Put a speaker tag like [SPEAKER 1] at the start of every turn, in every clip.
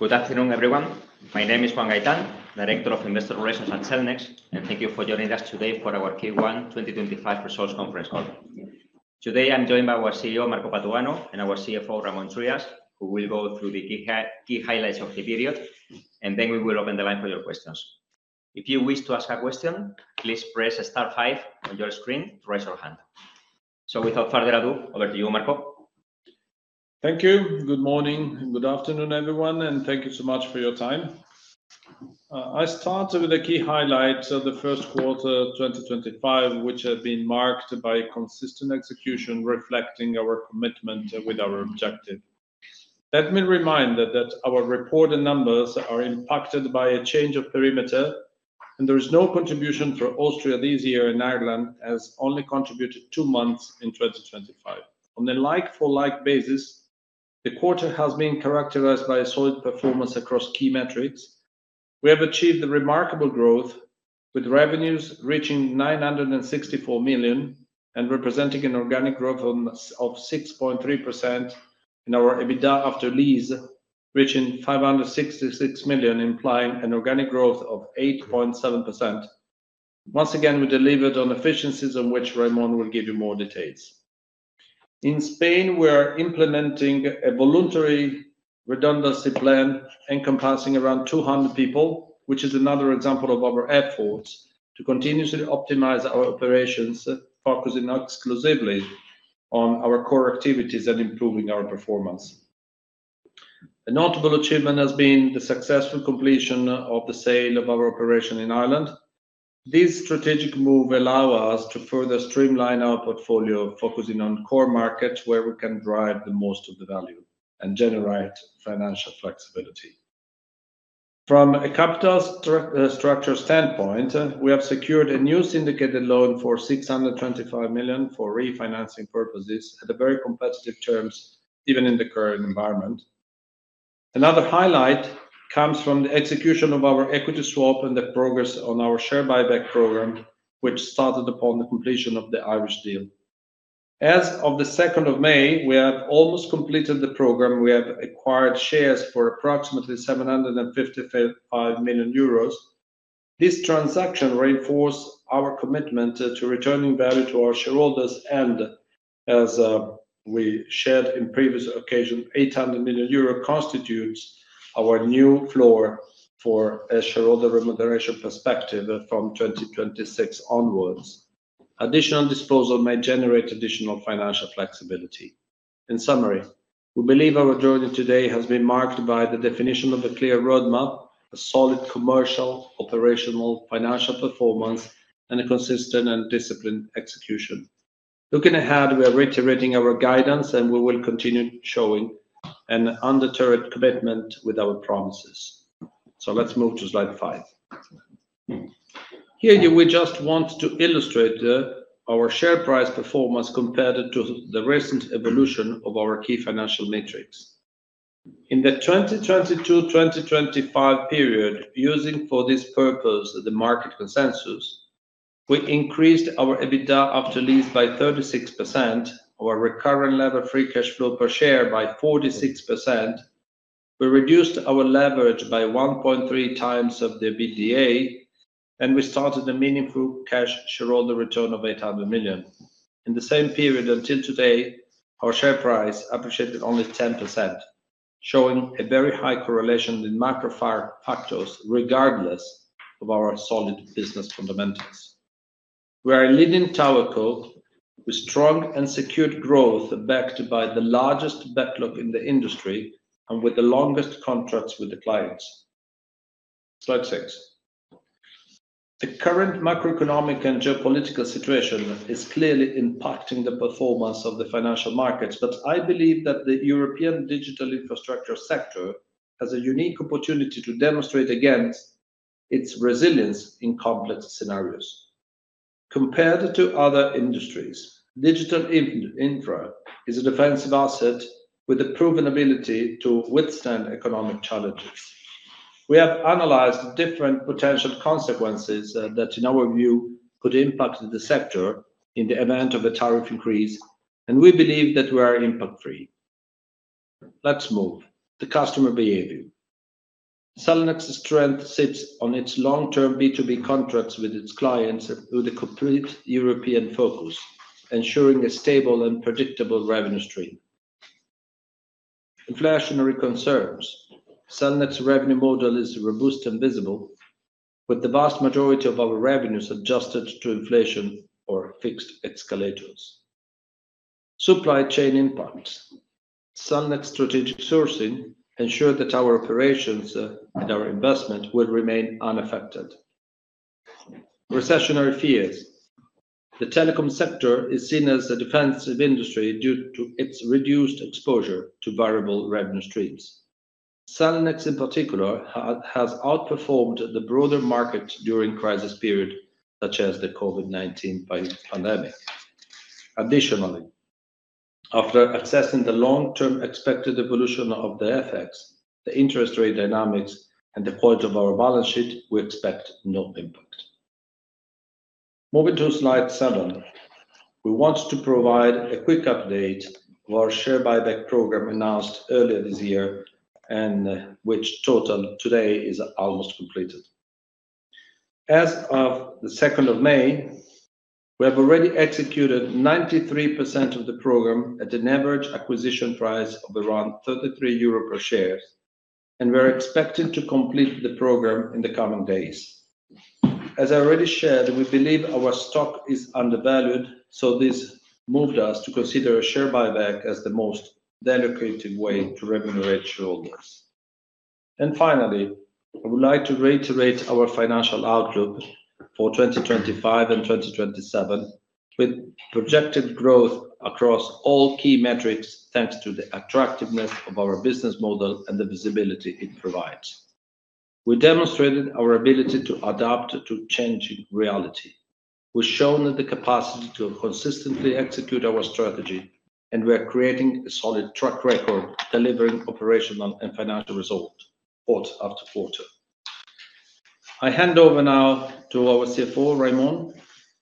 [SPEAKER 1] Good afternoon, everyone. My name is Juan Gaitán, Director of Investor Relations at Cellnex, and thank you for joining us today for our Q1 2025 Results Conference call. Today I'm joined by our CEO, Marco Patuano, and our CFO, Raimon Trias, who will go through the key highlights of the period, and then we will open the line for your questions. If you wish to ask a question, please press the *5 on your screen to raise your hand. Without further ado, over to you, Marco.
[SPEAKER 2] Thank you. Good morning and good afternoon, everyone, and thank you so much for your time. I started with the key highlights of the first quarter 2025, which have been marked by consistent execution reflecting our commitment with our objective. Let me remind that our reported numbers are impacted by a change of perimeter, and there is no contribution for Austria this year and Ireland only contributed two months in 2025. On a like-for-like basis, the quarter has been characterized by solid performance across key metrics. We have achieved remarkable growth, with revenues reaching 964 million and representing an organic growth of 6.3% and our EBITDAaL reaching 566 million, implying an organic growth of 8.7%. Once again, we delivered on efficiencies, on which Raimon will give you more details. In Spain, we are implementing a voluntary redundancy plan encompassing around 200 people, which is another example of our efforts to continuously optimize our operations, focusing exclusively on our core activities and improving our performance. A notable achievement has been the successful completion of the sale of our operation in Ireland. This strategic move allows us to further streamline our portfolio, focusing on core markets where we can drive the most of the value and generate financial flexibility. From a capital structure standpoint, we have secured a new syndicated loan for 625 million for refinancing purposes at very competitive terms, even in the current environment. Another highlight comes from the execution of our equity swap and the progress on our share buyback program, which started upon the completion of the Irish deal. As of the 2nd of May, we have almost completed the program, we have acquired shares for approximately 755 million euros. This transaction reinforced our commitment to returning value to our shareholders, and as we shared on previous occasions, 800 million euro constitutes our new floor for a shareholder remuneration perspective from 2026 onwards. Additional disposal may generate additional financial flexibility. In summary, we believe our journey today has been marked by the definition of a clear roadmap, a solid commercial, operational, financial performance, and a consistent and disciplined execution. Looking ahead, we are reiterating our guidance, and we will continue showing an undeterred commitment with our promises. Let's move to slide five. Here we just want to illustrate our share price performance compared to the recent evolution of our key financial metrics. In the 2022-2025 period, using for this purpose the market consensus, we increased our EBITDAaL by 36%, our recurrent levered free cash flow per share by 46%. We reduced our leverage by 1.3 times of the EBITDA, and we started a meaningful cash shareholder return of 800 million. In the same period until today, our share price appreciated only 10%, showing a very high correlation with macro factors regardless of our solid business fundamentals. We are a leading towerco with strong and secured growth backed by the largest backlog in the industry and with the longest contracts with the clients. Slide six. The current macroeconomic and geopolitical situation is clearly impacting the performance of the financial markets, but I believe that the European Digital Infrastructure sector has a unique opportunity to demonstrate again its resilience in complex scenarios. Compared to other industries, Digital Infra is a defensive asset with a proven ability to withstand economic challenges. We have analyzed different potential consequences that, in our view, could impact the sector in the event of a tariff increase, and we believe that we are impact-free. Let's move to customer behavior. Cellnex's strength sits on its long-term B2B contracts with its clients with a complete European focus, ensuring a stable and predictable revenue stream. Inflationary concerns: Cellnex's revenue model is robust and visible, with the vast majority of our revenues adjusted to inflation or fixed escalators. Supply chain impacts: Cellnex's strategic sourcing ensures that our operations and our investment will remain unaffected. Recessionary fears: The telecom sector is seen as a defensive industry due to its reduced exposure to variable revenue streams. Cellnex, in particular, has outperformed the broader market during crisis periods, such as the COVID-19 pandemic. Additionally, after assessing the long-term expected evolution of the effects, the interest rate dynamics, and the quality of our balance sheet, we expect no impact. Moving to slide seven, we want to provide a quick update of our share buyback program announced earlier this year and which total today is almost completed. As of the 2nd of May, we have already executed 93% of the program at an average acquisition price of around 33 euro per share, and we are expecting to complete the program in the coming days. As I already shared, we believe our stock is undervalued, so this moved us to consider a share buyback as the most delicate way to remunerate shareholders. Finally, I would like to reiterate our financial outlook for 2025 and 2027, with projected growth across all key metrics thanks to the attractiveness of our business model and the visibility it provides. We demonstrated our ability to adapt to changing reality. We've shown the capacity to consistently execute our strategy, and we are creating a solid track record delivering operational and financial results quarter-after-quarter. I hand over now to our CFO, Raimon,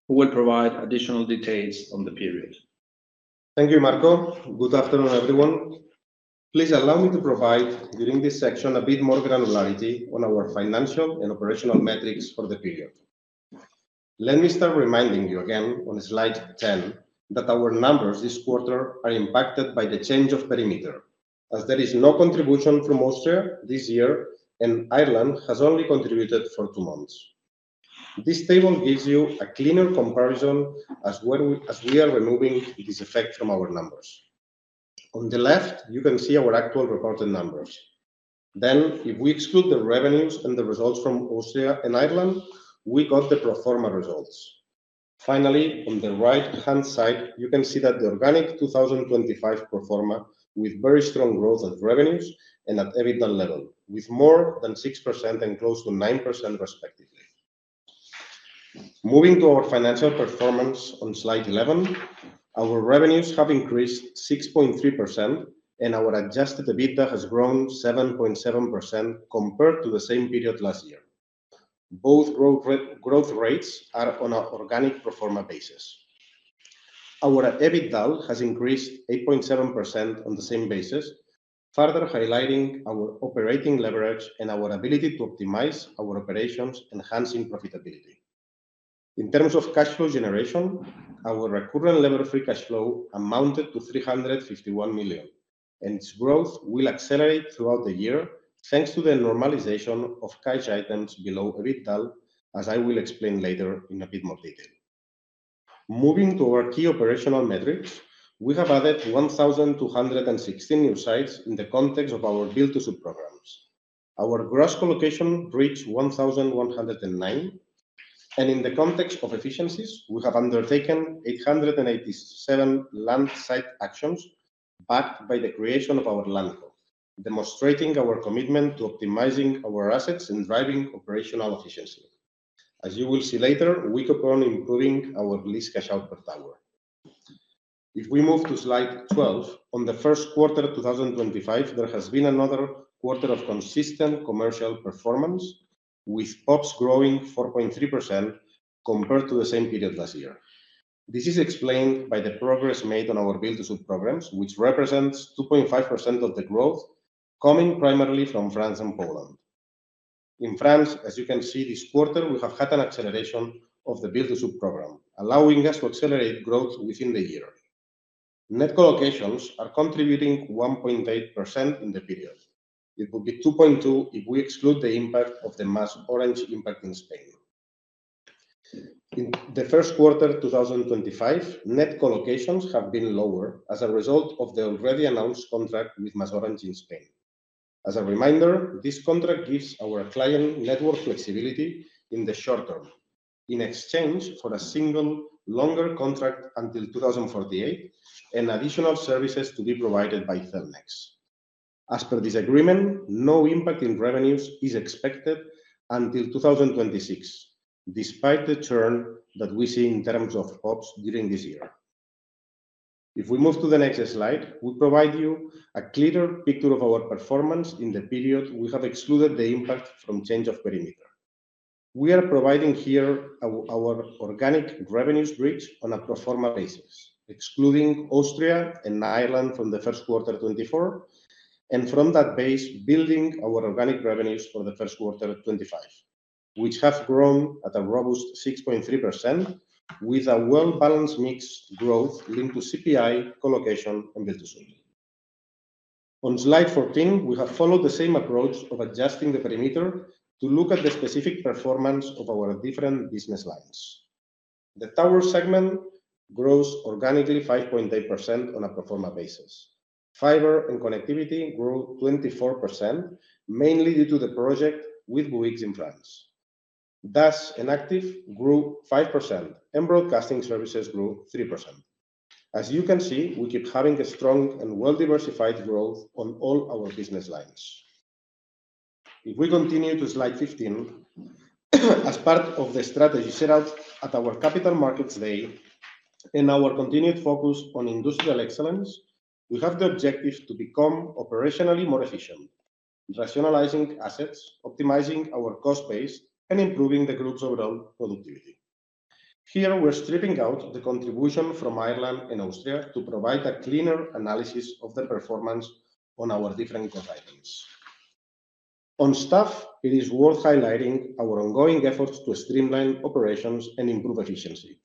[SPEAKER 2] who will provide additional details on the period.
[SPEAKER 3] Thank you, Marco. Good afternoon, everyone. Please allow me to provide during this section a bit more granularity on our financial and operational metrics for the period. Let me start reminding you again on slide 10 that our numbers this quarter are impacted by the change of perimeter, as there is no contribution from Austria this year, and Ireland has only contributed for two months. This table gives you a cleaner comparison as we are removing this effect from our numbers. On the left, you can see our actual reported numbers. Then, if we exclude the revenues and the results from Austria and Ireland, we got the proforma results. Finally, on the right-hand side, you can see that the organic 2025 proforma with very strong growth and revenues and at EBITDA level with more than 6% and close to 9%, respectively. Moving to our financial performance on slide 11, our revenues have increased 6.3%, and our adjusted EBITDA has grown 7.7% compared to the same period last year. Both growth rates are on an organic proforma basis. Our EBITDA has increased 8.7% on the same basis, further highlighting our operating leverage and our ability to optimize our operations, enhancing profitability. In terms of cash flow generation, our recurrent level of free cash flow amounted to 351 million, and its growth will accelerate throughout the year thanks to the normalization of cash items below EBITDA, as I will explain later in a bit more detail. Moving to our key operational metrics, we have added 1,216 new sites in the context of our build-to-suit programs. Our gross collocation reached 1,109, and in the context of efficiencies, we have undertaken 887 land site actions backed by the creation of our land code, demonstrating our commitment to optimizing our assets and driving operational efficiency. As you will see later, we could go on improving our lease cash out per tower. If we move to slide 12, on the first quarter of 2025, there has been another quarter of consistent commercial performance with OPEX growing 4.3% compared to the same period last year. This is explained by the progress made on our build-to-suit programs, which represents 2.5% of the growth coming primarily from France and Poland. In France, as you can see this quarter, we have had an acceleration of the build-to-suit program, allowing us to accelerate growth within the year. Net collocations are contributing 1.8% in the period. It would be 2.2% if we exclude the impact of the MasOrange impact in Spain. In the first quarter of 2025, net collocations have been lower as a result of the already announced contract with MasOrange in Spain. As a reminder, this contract gives our client network flexibility in the short term in exchange for a single longer contract until 2048 and additional services to be provided by Cellnex. As per this agreement, no impact in revenues is expected until 2026, despite the churn that we see in terms of ops during this year. If we move to the next slide, we provide you a clearer picture of our performance in the period. We have excluded the impact from change of perimeter. We are providing here our organic revenues bridge on a proforma basis, excluding Austria and Ireland from the first quarter 2024, and from that base, building our organic revenues for the first quarter 2025, which have grown at a robust 6.3% with a well-balanced mixed growth linked to CPI, collocation, and build-to-suit. On slide 14, we have followed the same approach of adjusting the perimeter to look at the specific performance of our different business lines. The tower segment grows organically 5.8% on a proforma basis. Fiber and connectivity grew 24%, mainly due to the project with Bouygues in France. DAS and ACTIV grew 5%, and broadcasting services grew 3%. As you can see, we keep having a strong and well-diversified growth on all our business lines. If we continue to slide 15, as part of the strategy set out at our Capital Markets Day and our continued focus on industrial excellence, we have the objective to become operationally more efficient, rationalizing assets, optimizing our cost base, and improving the group's overall productivity. Here, we're stripping out the contribution from Ireland and Austria to provide a cleaner analysis of the performance on our different core items. On staff, it is worth highlighting our ongoing efforts to streamline operations and improve efficiency.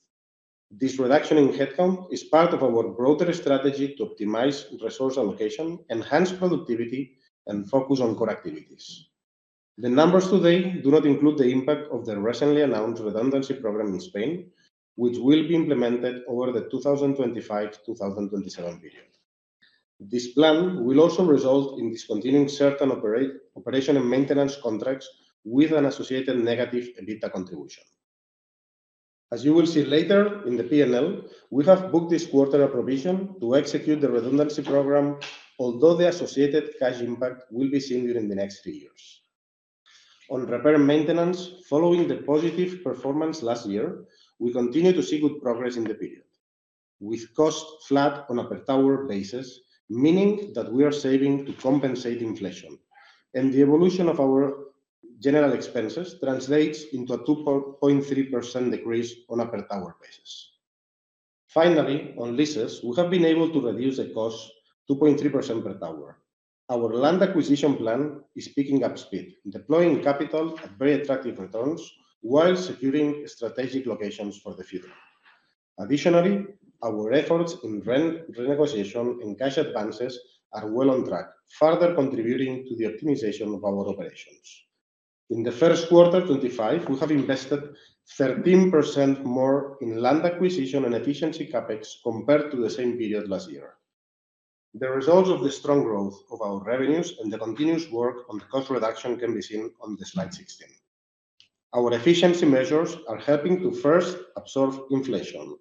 [SPEAKER 3] This reduction in headcount is part of our broader strategy to optimize resource allocation, enhance productivity, and focus on core activities. The numbers today do not include the impact of the recently announced redundancy program in Spain, which will be implemented over the 2025-2027 period. This plan will also result in discontinuing certain operation and maintenance contracts with an associated negative EBITDA contribution. As you will see later in the P&L, we have booked this quarter a provision to execute the redundancy program, although the associated cash impact will be seen during the next few years. On repair and maintenance, following the positive performance last year, we continue to see good progress in the period, with costs flat on a per tower basis, meaning that we are saving to compensate inflation, and the evolution of our general expenses translates into a 2.3% decrease on a per tower basis. Finally, on leases, we have been able to reduce the cost 2.3% per tower. Our land acquisition plan is picking up speed, deploying capital at very attractive returns while securing strategic locations for the future. Additionally, our efforts in renegotiation and cash advances are well on track, further contributing to the optimization of our operations. In the first quarter 2025, we have invested 13% more in land acquisition and efficiency CapEx compared to the same period last year. The results of the strong growth of our revenues and the continuous work on the cost reduction can be seen on slide 16. Our efficiency measures are helping to first absorb inflation,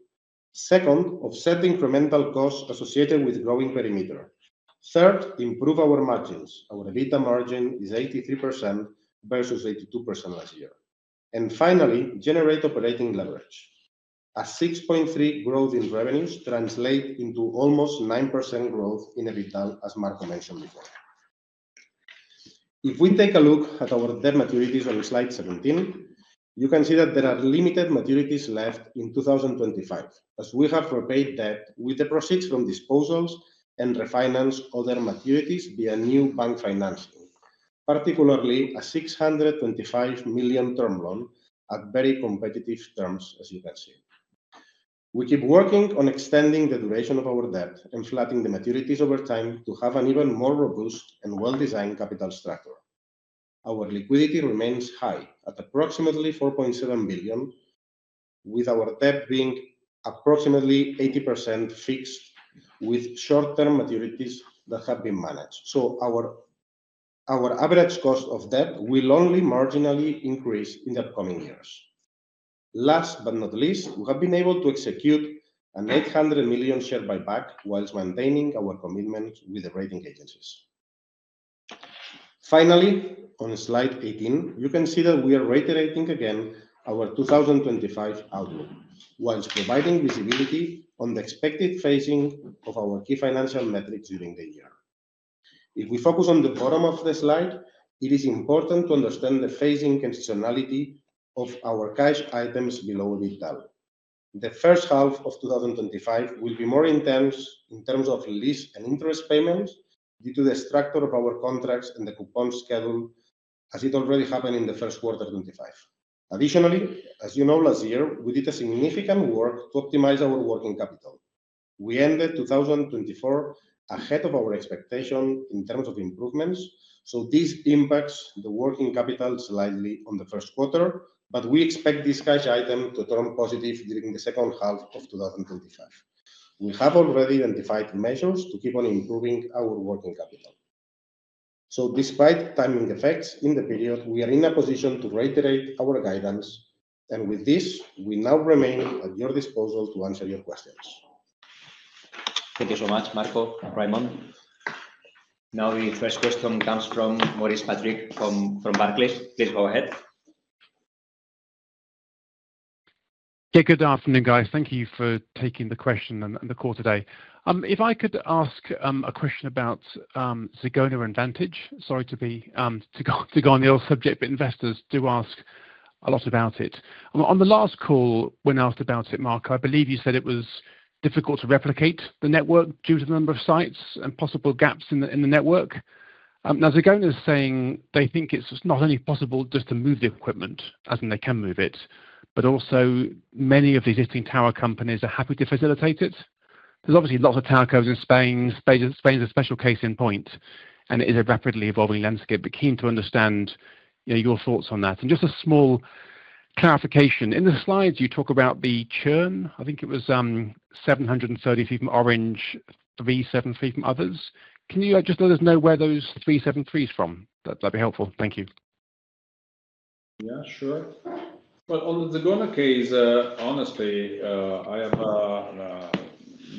[SPEAKER 3] second, offset the incremental costs associated with growing perimeter, third, improve our margins. Our EBITDA margin is 83% versus 82% last year. Finally, generate operating leverage. A 6.3% growth in revenues translates into almost 9% growth in EBITDA, as Marco mentioned before. If we take a look at our debt maturities on slide 17, you can see that there are limited maturities left in 2025, as we have repaid debt with the proceeds from disposals and refinanced other maturities via new bank financing, particularly a 625 million term loan at very competitive terms, as you can see. We keep working on extending the duration of our debt and flattening the maturities over time to have an even more robust and well-designed capital structure. Our liquidity remains high at approximately 4.7 billion, with our debt being approximately 80% fixed with short-term maturities that have been managed. Our average cost of debt will only marginally increase in the upcoming years. Last but not least, we have been able to execute an 800 million share buyback whilst maintaining our commitment with the rating agencies. Finally, on slide 18, you can see that we are reiterating again our 2025 outlook whilst providing visibility on the expected phasing of our key financial metrics during the year. If we focus on the bottom of the slide, it is important to understand the phasing and seasonality of our cash items below EBITDA. The first half of 2025 will be more intense in terms of lease and interest payments due to the structure of our contracts and the coupon schedule, as it already happened in the first quarter 2025. Additionally, as you know, last year, we did significant work to optimize our working capital. We ended 2024 ahead of our expectation in terms of improvements, so this impacts the working capital slightly on the first quarter, but we expect this cash item to turn positive during the second half of 2025. We have already identified measures to keep on improving our working capital. Despite timing effects in the period, we are in a position to reiterate our guidance, and with this, we now remain at your disposal to answer your questions.
[SPEAKER 1] Thank you so much, Marco, Raimon. Now, the first question comes from Maurice Patrick from Barclays. Please go ahead.
[SPEAKER 4] Yeah, good afternoon, guys. Thank you for taking the question and the call today. If I could ask a question about Zegona and Vantage. Sorry to go on the old subject, but investors do ask a lot about it. On the last call, when asked about it, Marco, I believe you said it was difficult to replicate the network due to the number of sites and possible gaps in the network. Now, Zegona is saying they think it's not only possible just to move the equipment, as in they can move it, but also many of the existing tower companies are happy to facilitate it. There's obviously lots of tower cos in Spain. Spain is a special case in point, and it is a rapidly evolving landscape. We're keen to understand your thoughts on that. And just a small clarification. In the slides, you talk about the churn. I think it was 733 from Orange, 373 from others? Can you just let us know where those 373 is from? That'd be helpful. Thank you.
[SPEAKER 2] Yeah, sure. On the Zegona case, honestly, I have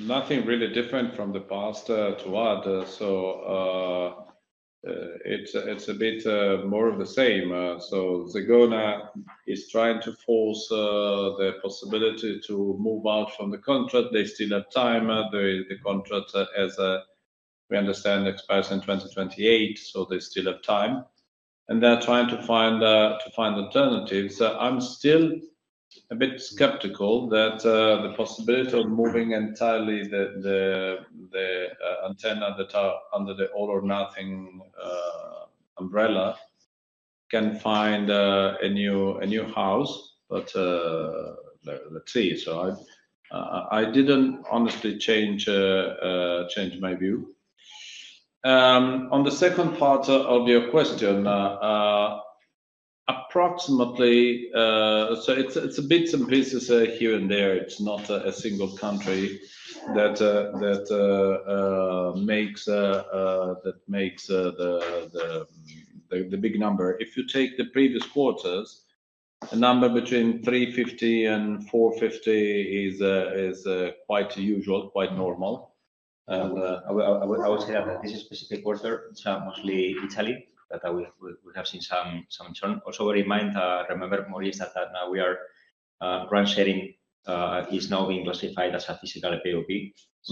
[SPEAKER 2] nothing really different from the past to add. It is a bit more of the same. Zegona is trying to force the possibility to move out from the contract. They still have time. The contract, as we understand, expires in 2028, so they still have time. They are trying to find alternatives. I am still a bit skeptical that the possibility of moving entirely the antenna that are under the all-or-nothing umbrella can find a new house, but let's see. I did not honestly change my view. On the second part of your question, approximately, it is bits and pieces here and there. It is not a single country that makes the big number. If you take the previous quarters, a number between 350 and 450 is quite usual, quite normal. I would say that this is a specific quarter. It's mostly Italy that we have seen some churn. Also bear in mind, remember, Maurice, that branch sharing is now being classified as a physical PoP.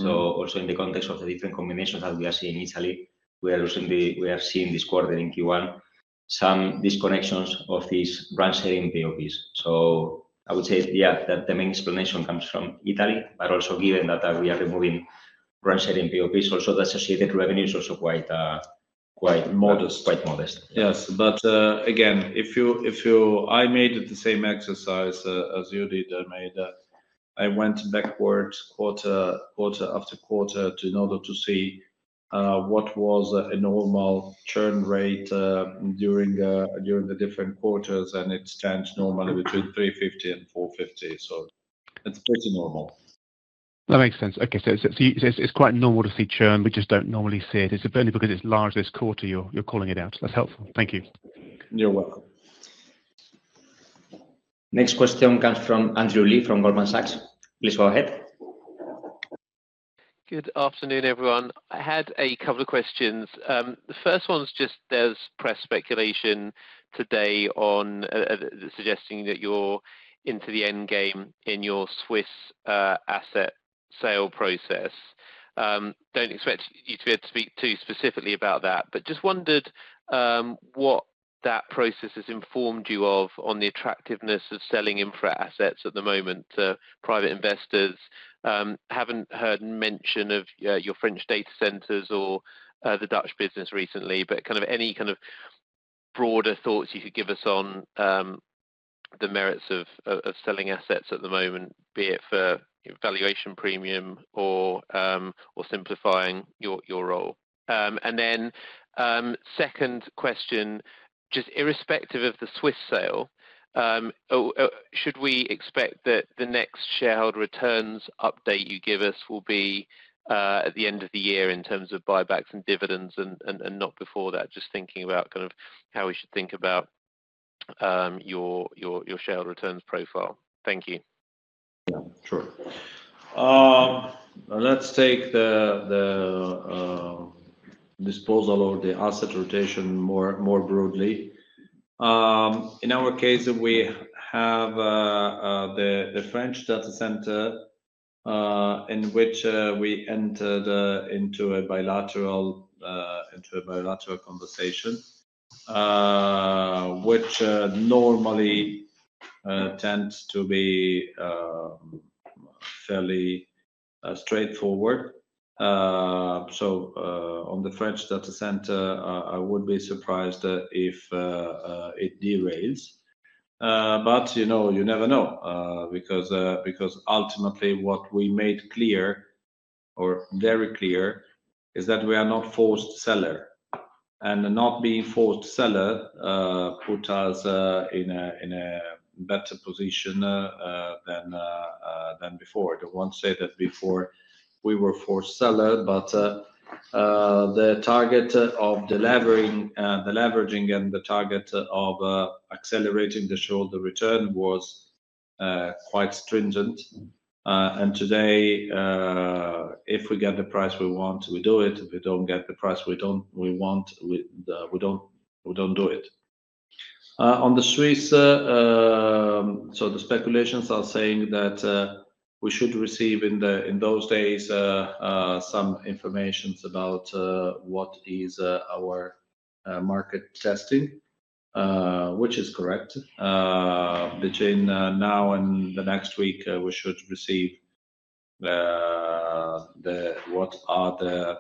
[SPEAKER 2] Also in the context of the different combinations that we are seeing in Italy, we are seeing this quarter in Q1, some disconnections of these branch sharing PoPs. I would say, yeah, that the main explanation comes from Italy, but also given that we are removing branch sharing PoPs, the associated revenues are also quite modest.
[SPEAKER 3] Yes. If I made the same exercise as you did, I went backwards quarter-after-quarter in order to see what was a normal churn rate during the different quarters, and it stands normally between 350 and 450. It is pretty normal.
[SPEAKER 4] That makes sense. Okay. So it's quite normal to see churn. We just do not normally see it. It's only because it's large this quarter you're calling it out. That's helpful. Thank you.
[SPEAKER 2] You're welcome.
[SPEAKER 1] Next question comes from Andrew Lee from Goldman Sachs. Please go ahead.
[SPEAKER 5] Good afternoon, everyone. I had a couple of questions. The first one's just there's press speculation today suggesting that you're into the end game in your Swiss asset sale process. I don't expect you to be able to speak too specifically about that, but just wondered what that process has informed you of on the attractiveness of selling infra assets at the moment to private investors. I haven't heard mention of your French data centers or the Dutch business recently, but kind of any kind of broader thoughts you could give us on the merits of selling assets at the moment, be it for valuation premium or simplifying your role. The second question, just irrespective of the Swiss sale, should we expect that the next shareholder returns update you give us will be at the end of the year in terms of buybacks and dividends and not before that? Just thinking about kind of how we should think about your shareholder returns profile? Thank you.
[SPEAKER 2] Yeah, sure. Let's take the disposal or the asset rotation more broadly. In our case, we have the French data center in which we entered into a bilateral conversation, which normally tends to be fairly straightforward. On the French data center, I would be surprised if it derails. You never know because ultimately what we made clear or very clear is that we are not forced sellers. Not being forced sellers puts us in a better position than before. I do not want to say that before we were forced sellers, but the target of the deleveraging and the target of accelerating the shareholder return was quite stringent. Today, if we get the price we want, we do it. If we do not get the price we want, we do not do it. On the Swiss, the speculations are saying that we should receive in those days some information about what is our market testing, which is correct. Between now and the next week, we should receive what are the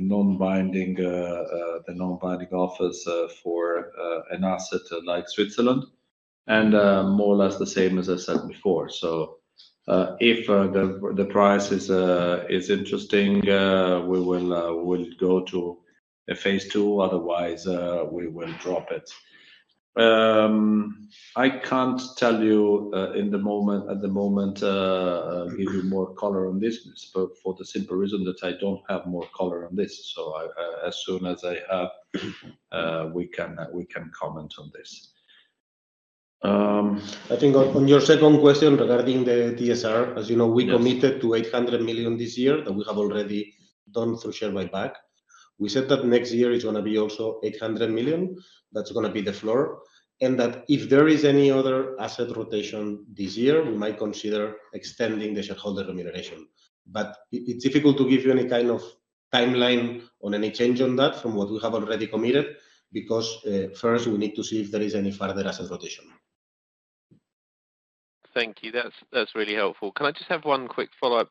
[SPEAKER 2] non-binding offers for an asset like Switzerland, and more or less the same as I said before. If the price is interesting, we will go to a phase two. Otherwise, we will drop it. I can't tell you at the moment, give you more color on this, but for the simple reason that I don't have more color on this. As soon as I have, we can comment on this.
[SPEAKER 3] I think on your second question regarding the TSR, as you know, we committed to 800 million this year that we have already done through share buyback. We said that next year is going to be also 800 million. That's going to be the floor. If there is any other asset rotation this year, we might consider extending the shareholder remuneration. It is difficult to give you any kind of timeline on any change on that from what we have already committed because first, we need to see if there is any further asset rotation.
[SPEAKER 5] Thank you. That's really helpful. Can I just have one quick follow-up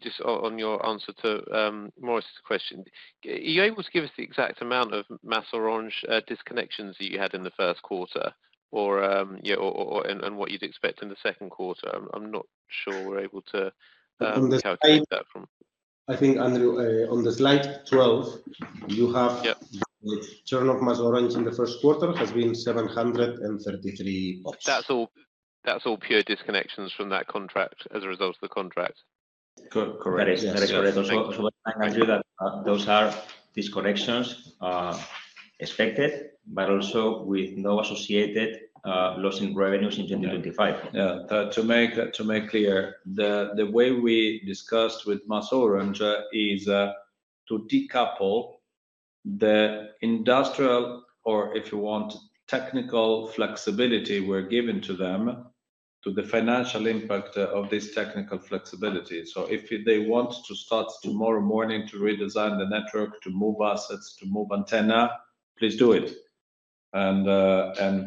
[SPEAKER 5] just on your answer to Maurice's question? Are you able to give us the exact amount of MasOrange disconnections that you had in the first quarter and what you'd expect in the second quarter? I'm not sure we're able to calculate that from.
[SPEAKER 2] I think on the slide 12, you have the churn of MasOrange in the first quarter has been 733.
[SPEAKER 5] That's all pure disconnections from that contract, as a result of the contract.
[SPEAKER 2] Correct.
[SPEAKER 3] That is correct. I think those are disconnections expected, but also with no associated loss in revenues in 2025.
[SPEAKER 2] Yeah. To make clear, the way we discussed with MasOrange is to decouple the industrial or, if you want, technical flexibility we're giving to them to the financial impact of this technical flexibility. So if they want to start tomorrow morning to redesign the network, to move assets, to move antenna, please do it.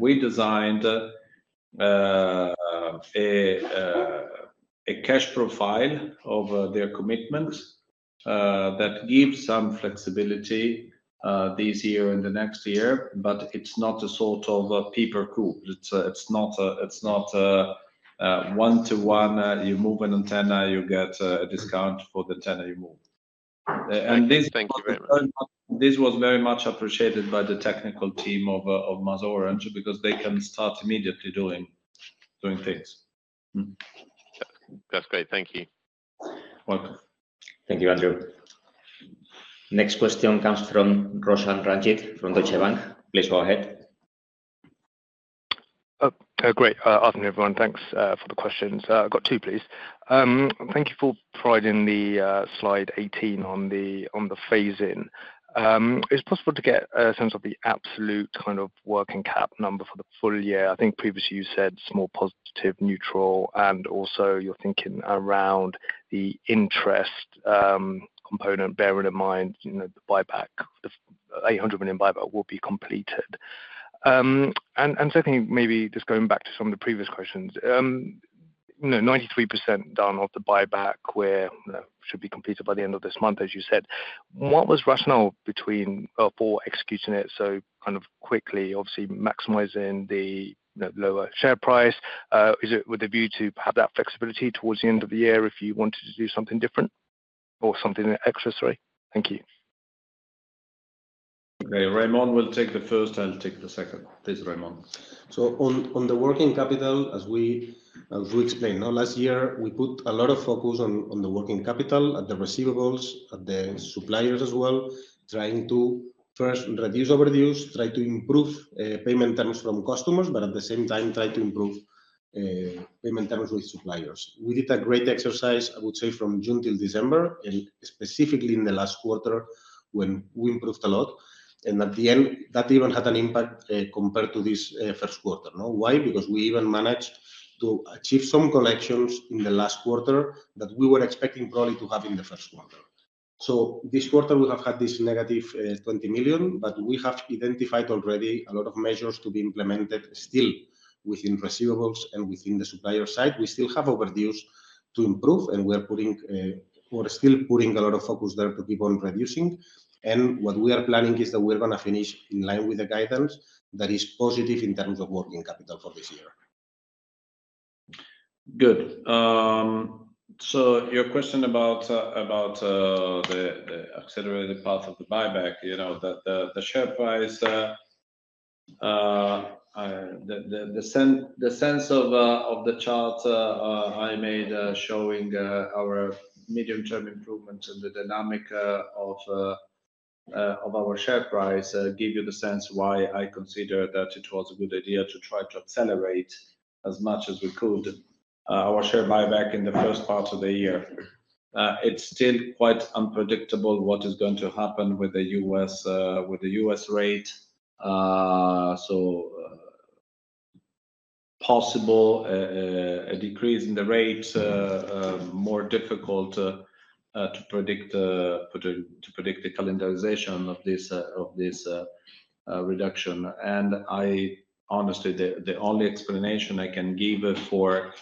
[SPEAKER 2] We designed a cash profile of their commitments that gives some flexibility this year and the next year, but it's not a sort of a pay-per-coup. It's not a one-to-one. You move an antenna, you get a discount for the antenna you move.
[SPEAKER 5] Thank you very much.
[SPEAKER 2] This was very much appreciated by the technical team of MasOrange because they can start immediately doing things.
[SPEAKER 5] That's great. Thank you.
[SPEAKER 2] Welcome.
[SPEAKER 3] Thank you, Andrew.
[SPEAKER 1] Next question comes from Roshan Ranjit from Deutsche Bank. Please go ahead.
[SPEAKER 6] Great. Afternoon, everyone. Thanks for the questions. I've got two, please. Thank you for providing the slide 18 on the phasing. Is it possible to get a sense of the absolute kind of working cap number for the full year? I think previously you said small, positive, neutral, and also your thinking around the interest component, bearing in mind the buyback, the 800 million buyback will be completed. Secondly, maybe just going back to some of the previous questions, 93% done of the buyback should be completed by the end of this month, as you said. What was rationale for executing it so kind of quickly, obviously maximizing the lower share price? Is it with a view to have that flexibility towards the end of the year if you wanted to do something different or something extra? Sorry. Thank you.
[SPEAKER 2] Okay. Raimon will take the first. I'll take the second. Please, Raimon.
[SPEAKER 3] On the working capital, as we explained, last year, we put a lot of focus on the working capital, at the receivables, at the suppliers as well, trying to first reduce overdues, try to improve payment terms from customers, but at the same time, try to improve payment terms with suppliers. We did a great exercise, I would say, from June till December, and specifically in the last quarter when we improved a lot. At the end, that even had an impact compared to this first quarter. Why? Because we even managed to achieve some connections in the last quarter that we were expecting probably to have in the first quarter. This quarter, we have had this negative 20 million, but we have identified already a lot of measures to be implemented still within receivables and within the supplier side. We still have overdues to improve, and we are still putting a lot of focus there to keep on reducing. What we are planning is that we are going to finish in line with the guidance that is positive in terms of working capital for this year.
[SPEAKER 2] Good. Your question about the accelerated path of the buyback, the share price, the sense of the chart I made showing our medium-term improvements and the dynamic of our share price give you the sense why I consider that it was a good idea to try to accelerate as much as we could our share buyback in the first part of the year. It's still quite unpredictable what is going to happen with the U.S. rate. Possible a decrease in the rate, more difficult to predict the calendarization of this reduction. Honestly, the only explanation I can give for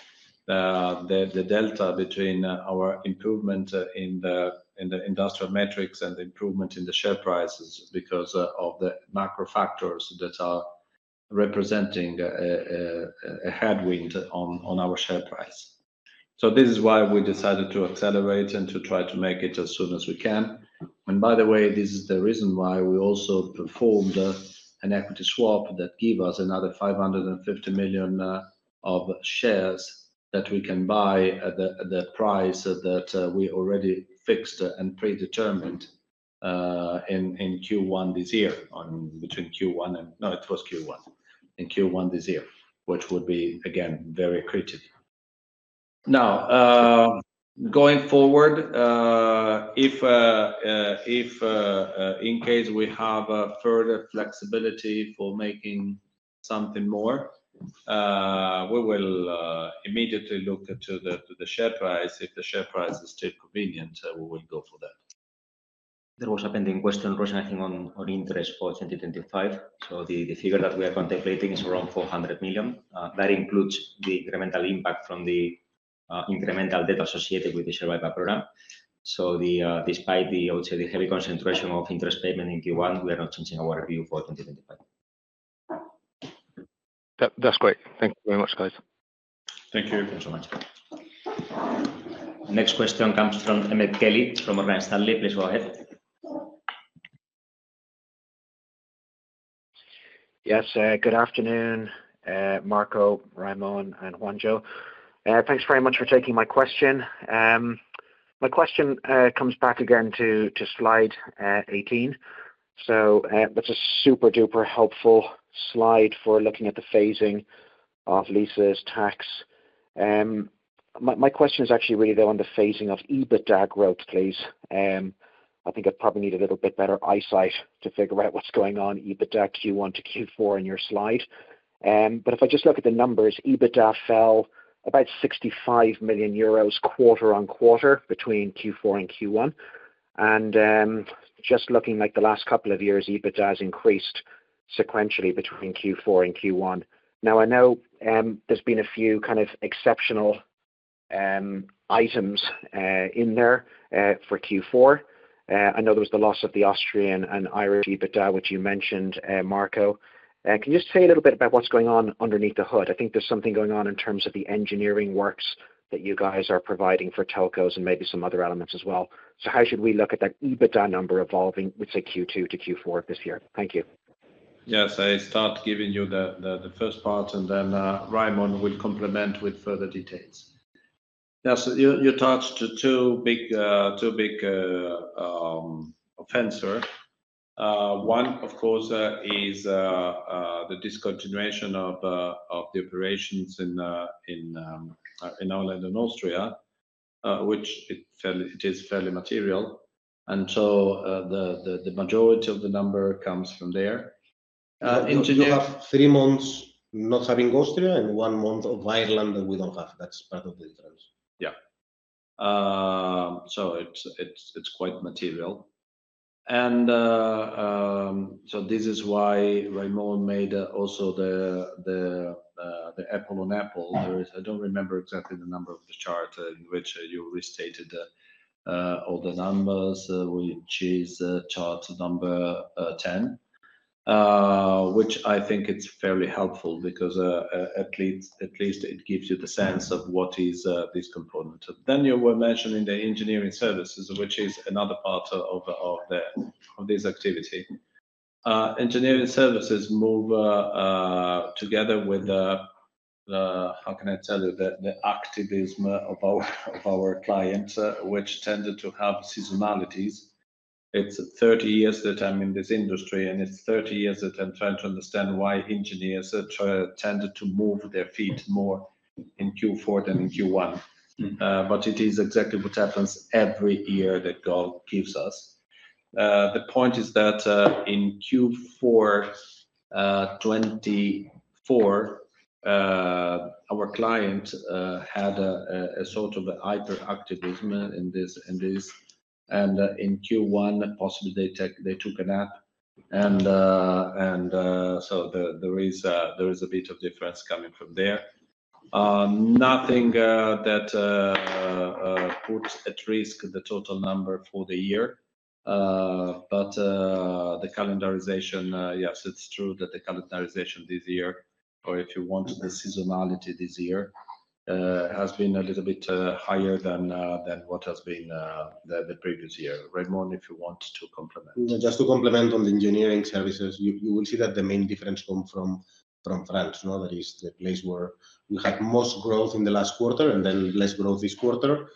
[SPEAKER 2] the delta between our improvement in the industrial metrics and the improvement in the share price is because of the macro factors that are representing a headwind on our share price. This is why we decided to accelerate and to try to make it as soon as we can. By the way, this is the reason why we also performed an equity swap that gave us another 550 million of shares that we can buy at the price that we already fixed and predetermined in Q1 this year, between Q1 and, no, it was Q1, in Q1 this year, which would be, again, very critical. Now, going forward, if in case we have further flexibility for making something more, we will immediately look to the share price. If the share price is still convenient, we will go for that.
[SPEAKER 3] There was a pending question, Roshan, I think, on interest for 2025. The figure that we are contemplating is around 400 million. That includes the incremental impact from the incremental debt associated with the share buyback program. Despite the, I would say, the heavy concentration of interest payment in Q1, we are not changing our view for 2025.
[SPEAKER 6] That's great. Thank you very much, guys.
[SPEAKER 2] Thank you.
[SPEAKER 3] Thank you so much.
[SPEAKER 1] Next question comes from Emmet Kelly from Morgan Stanley. Please go ahead.
[SPEAKER 7] Yes. Good afternoon, Marco, Raimon, and Juan. Thanks very much for taking my question. My question comes back again to slide 18. That is a super duper helpful slide for looking at the phasing of leases, tax. My question is actually really there on the phasing of EBITDA growth, please. I think I probably need a little bit better eyesight to figure out what is going on EBITDA Q1 to Q4 in your slide. If I just look at the numbers, EBITDA fell about 65 million euros quarter-on-quarter between Q4 and Q1. Just looking like the last couple of years, EBITDA has increased sequentially between Q4 and Q1. I know there have been a few kind of exceptional items in there for Q4. I know there was the loss of the Austrian and Irish EBITDA, which you mentioned, Marco. Can you just say a little bit about what's going on underneath the hood? I think there's something going on in terms of the engineering works that you guys are providing for telcos and maybe some other elements as well. How should we look at that EBITDA number evolving, let's say, Q2 to Q4 this year? Thank you.
[SPEAKER 2] Yes. I start giving you the first part, and then Raimon will complement with further details. Yeah. You touched two big offenses. One, of course, is the discontinuation of the operations in Ireland and Austria, which is fairly material. The majority of the number comes from there. We have three months not having Austria and one month of Ireland that we do not have. That is part of the difference. Yeah. It is quite material. This is why Raimon made also the apple-on-apple. I do not remember exactly the number of the chart in which you restated all the numbers. We chose chart number 10, which I think is fairly helpful because at least it gives you the sense of what is this component. You were mentioning the engineering services, which is another part of this activity. Engineering services move together with, how can I tell you, the activism of our clients, which tended to have seasonalities. It is 30 years that I am in this industry, and it is 30 years that I am trying to understand why engineers tend to move their feet more in Q4 than in Q1. It is exactly what happens every year that golf gives us. The point is that in Q4 2024, our client had a sort of hyperactivism in this. In Q1, possibly they took a nap. There is a bit of difference coming from there. Nothing that puts at risk the total number for the year. The calendarization, yes, it is true that the calendarization this year, or if you want the seasonality this year, has been a little bit higher than what has been the previous year. Raimon, if you want to complement?
[SPEAKER 3] Just to complement on the engineering services, you will see that the main difference comes from France. That is the place where we had most growth in the last quarter and then less growth this quarter.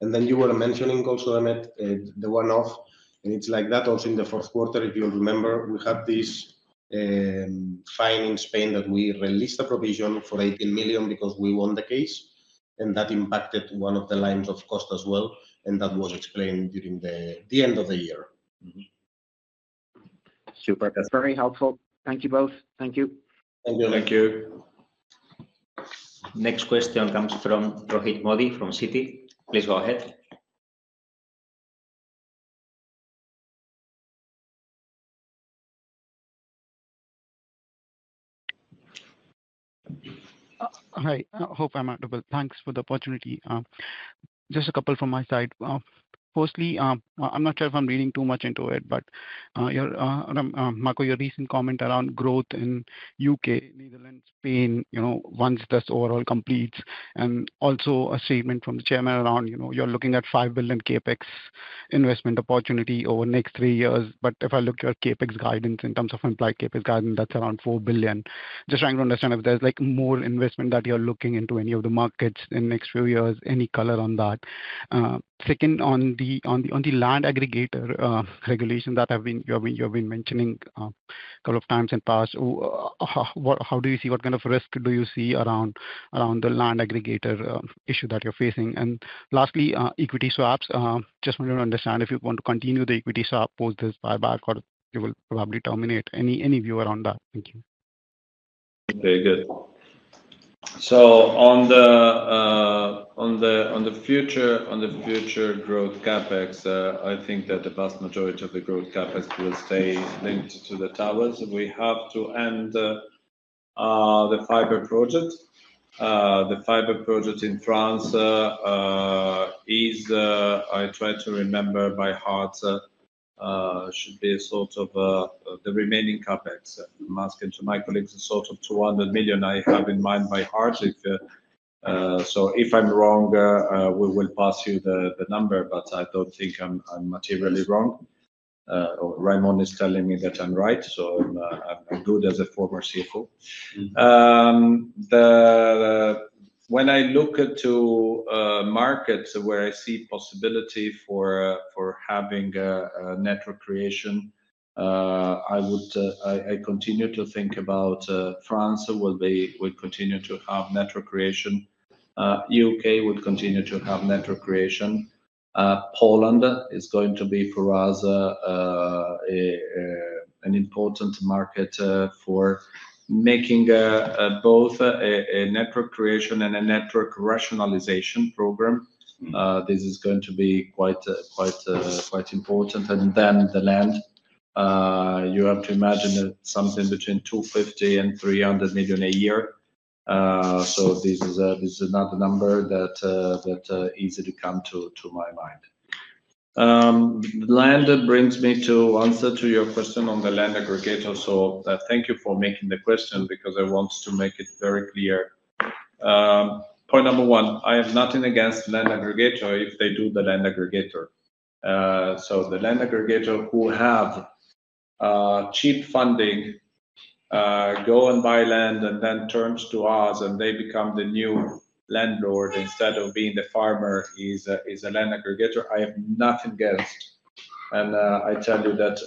[SPEAKER 3] You were mentioning also, Emmet, the one-off. It is like that also in the fourth quarter, if you remember, we had this fine in Spain that we released a provision for 18 million because we won the case. That impacted one of the lines of cost as well. That was explained during the end of the year.
[SPEAKER 7] Super. That's very helpful. Thank you both. Thank you.
[SPEAKER 2] Thank you.
[SPEAKER 3] Thank you. Next question comes from Rohit Modi from Citi. Please go ahead.
[SPEAKER 8] Hi. Hope I'm audible. Thanks for the opportunity. Just a couple from my side. Firstly, I'm not sure if I'm reading too much into it, but Marco, your recent comment around growth in the U.K., Netherlands, Spain, once this overall completes, and also a statement from the chairman around you're looking at 5 billion CapEx investment opportunity over the next three years. If I look at your CapEx guidance in terms of implied CapEx guidance, that's around 4 billion. Just trying to understand if there's more investment that you're looking into any of the markets in the next few years, any color on that? Second, on the land aggregator regulation that you have been mentioning a couple of times in the past, how do you see what kind of risk do you see around the land aggregator issue that you're facing? Lastly, equity swaps. Just wanted to understand if you want to continue the equity swap, post this buyback, or it will probably terminate. Any view around that? Thank you.
[SPEAKER 2] Okay. Good. On the future growth CapEx, I think that the vast majority of the growth CapEx will stay linked to the towers. We have to end the fiber project. The fiber project in France is, I try to remember by heart, should be a sort of the remaining CapEx. I am asking my colleagues, a sort of 200 million I have in mind by heart. If I am wrong, we will pass you the number, but I do not think I am materially wrong. Raimon is telling me that I am right, so I am good as a former CFO. When I look at markets where I see possibility for having network creation, I continue to think about France. We continue to have network creation. U.K. would continue to have network creation. Poland is going to be for us an important market for making both a network creation and a network rationalization program. This is going to be quite important. The land, you have to imagine something between 250 million and 300 million a year. This is not a number that's easy to come to my mind. Land brings me to answer to your question on the land aggregator. Thank you for making the question because I want to make it very clear. Point number one, I have nothing against land aggregator if they do the land aggregator. The land aggregator who have cheap funding go and buy land and then turns to us and they become the new landlord instead of being the farmer is a land aggregator. I have nothing against. I tell you that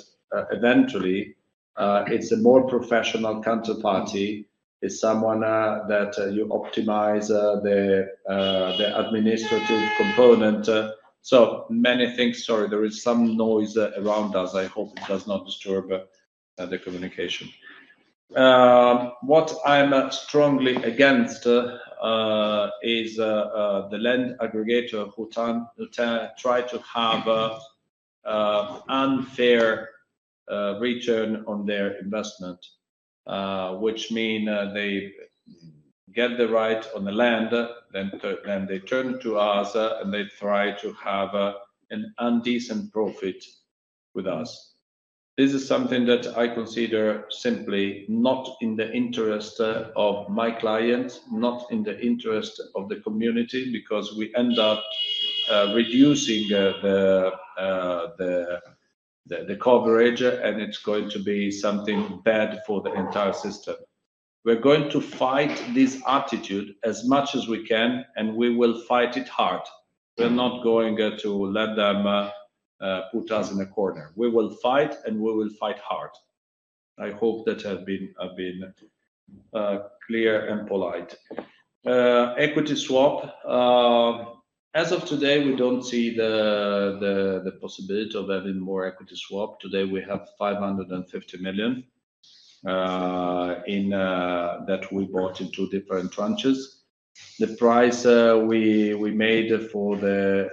[SPEAKER 2] eventually it's a more professional counterparty, it's someone that you optimize the administrative component. So many things. Sorry, there is some noise around us. I hope it does not disturb the communication. What I'm strongly against is the land aggregator who try to have unfair return on their investment, which means they get the right on the land, then they turn to us and they try to have an undecent profit with us. This is something that I consider simply not in the interest of my clients, not in the interest of the community because we end up reducing the coverage and it's going to be something bad for the entire system. We're going to fight this attitude as much as we can, and we will fight it hard. We're not going to let them put us in a corner. We will fight, and we will fight hard. I hope that I've been clear and polite. Equity swap. As of today, we do not see the possibility of having more equity swap. Today, we have 550 million that we bought in two different tranches. The price we made for the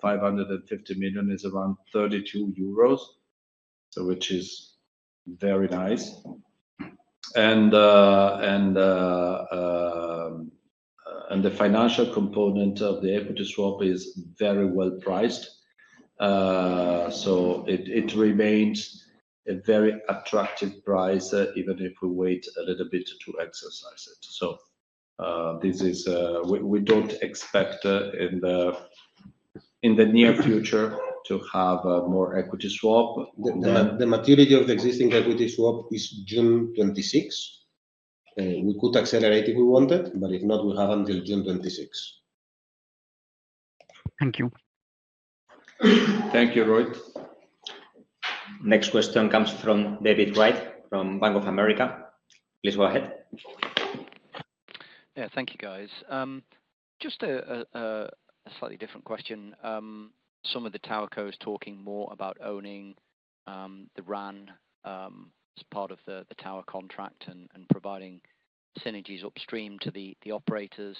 [SPEAKER 2] 550 million is around 32 euros, which is very nice. The financial component of the equity swap is very well priced. It remains a very attractive price even if we wait a little bit to exercise it. We do not expect in the near future to have more equity swap.
[SPEAKER 3] The maturity of the existing equity swap is June 26. We could accelerate if we wanted, but if not, we have until June 26.
[SPEAKER 8] Thank you.
[SPEAKER 2] Thank you, Rohit.
[SPEAKER 1] Next question comes from David White from Bank of America. Please go ahead.
[SPEAKER 9] Yeah. Thank you, guys. Just a slightly different question. Some of the towerco's talking more about owning the RAN as part of the tower contract and providing synergies upstream to the operators,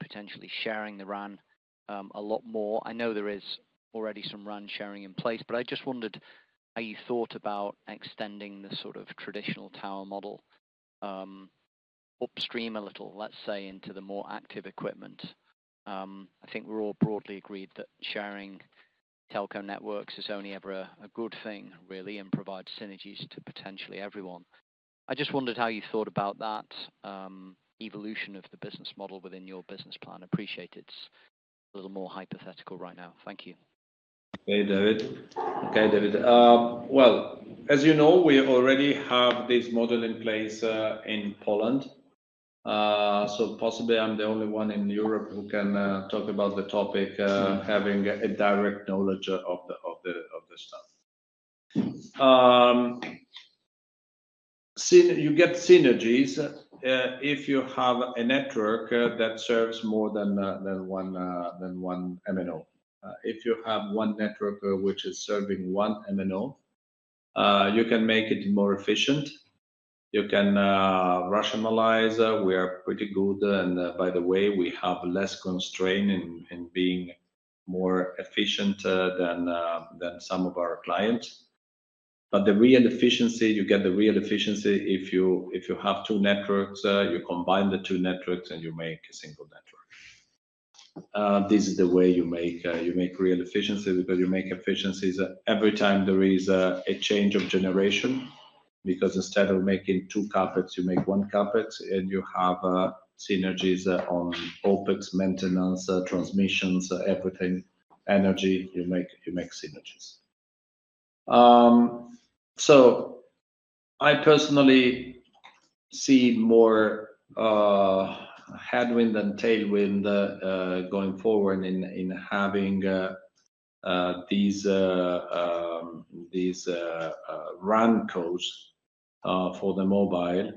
[SPEAKER 9] potentially sharing the RAN a lot more. I know there is already some RAN sharing in place, but I just wondered how you thought about extending the sort of traditional tower model upstream a little, let's say, into the more active equipment. I think we're all broadly agreed that sharing telco networks is only ever a good thing, really, and provides synergies to potentially everyone. I just wondered how you thought about that evolution of the business model within your business plan. Appreciate it's a little more hypothetical right now. Thank you.
[SPEAKER 2] Okay, David. As you know, we already have this model in place in Poland. Possibly I'm the only one in Europe who can talk about the topic having a direct knowledge of this stuff. You get synergies if you have a network that serves more than one MNO. If you have one network which is serving one MNO, you can make it more efficient. You can rationalize. We are pretty good. By the way, we have less constraint in being more efficient than some of our clients. The real efficiency, you get the real efficiency if you have two networks, you combine the two networks, and you make a single network. This is the way you make real efficiency because you make efficiencies every time there is a change of generation because instead of making two carpets, you make one carpet, and you have synergies on OPEX, maintenance, transmissions, everything, energy. You make synergies. I personally see more headwind than tailwind going forward in having these RAN codes for the mobile.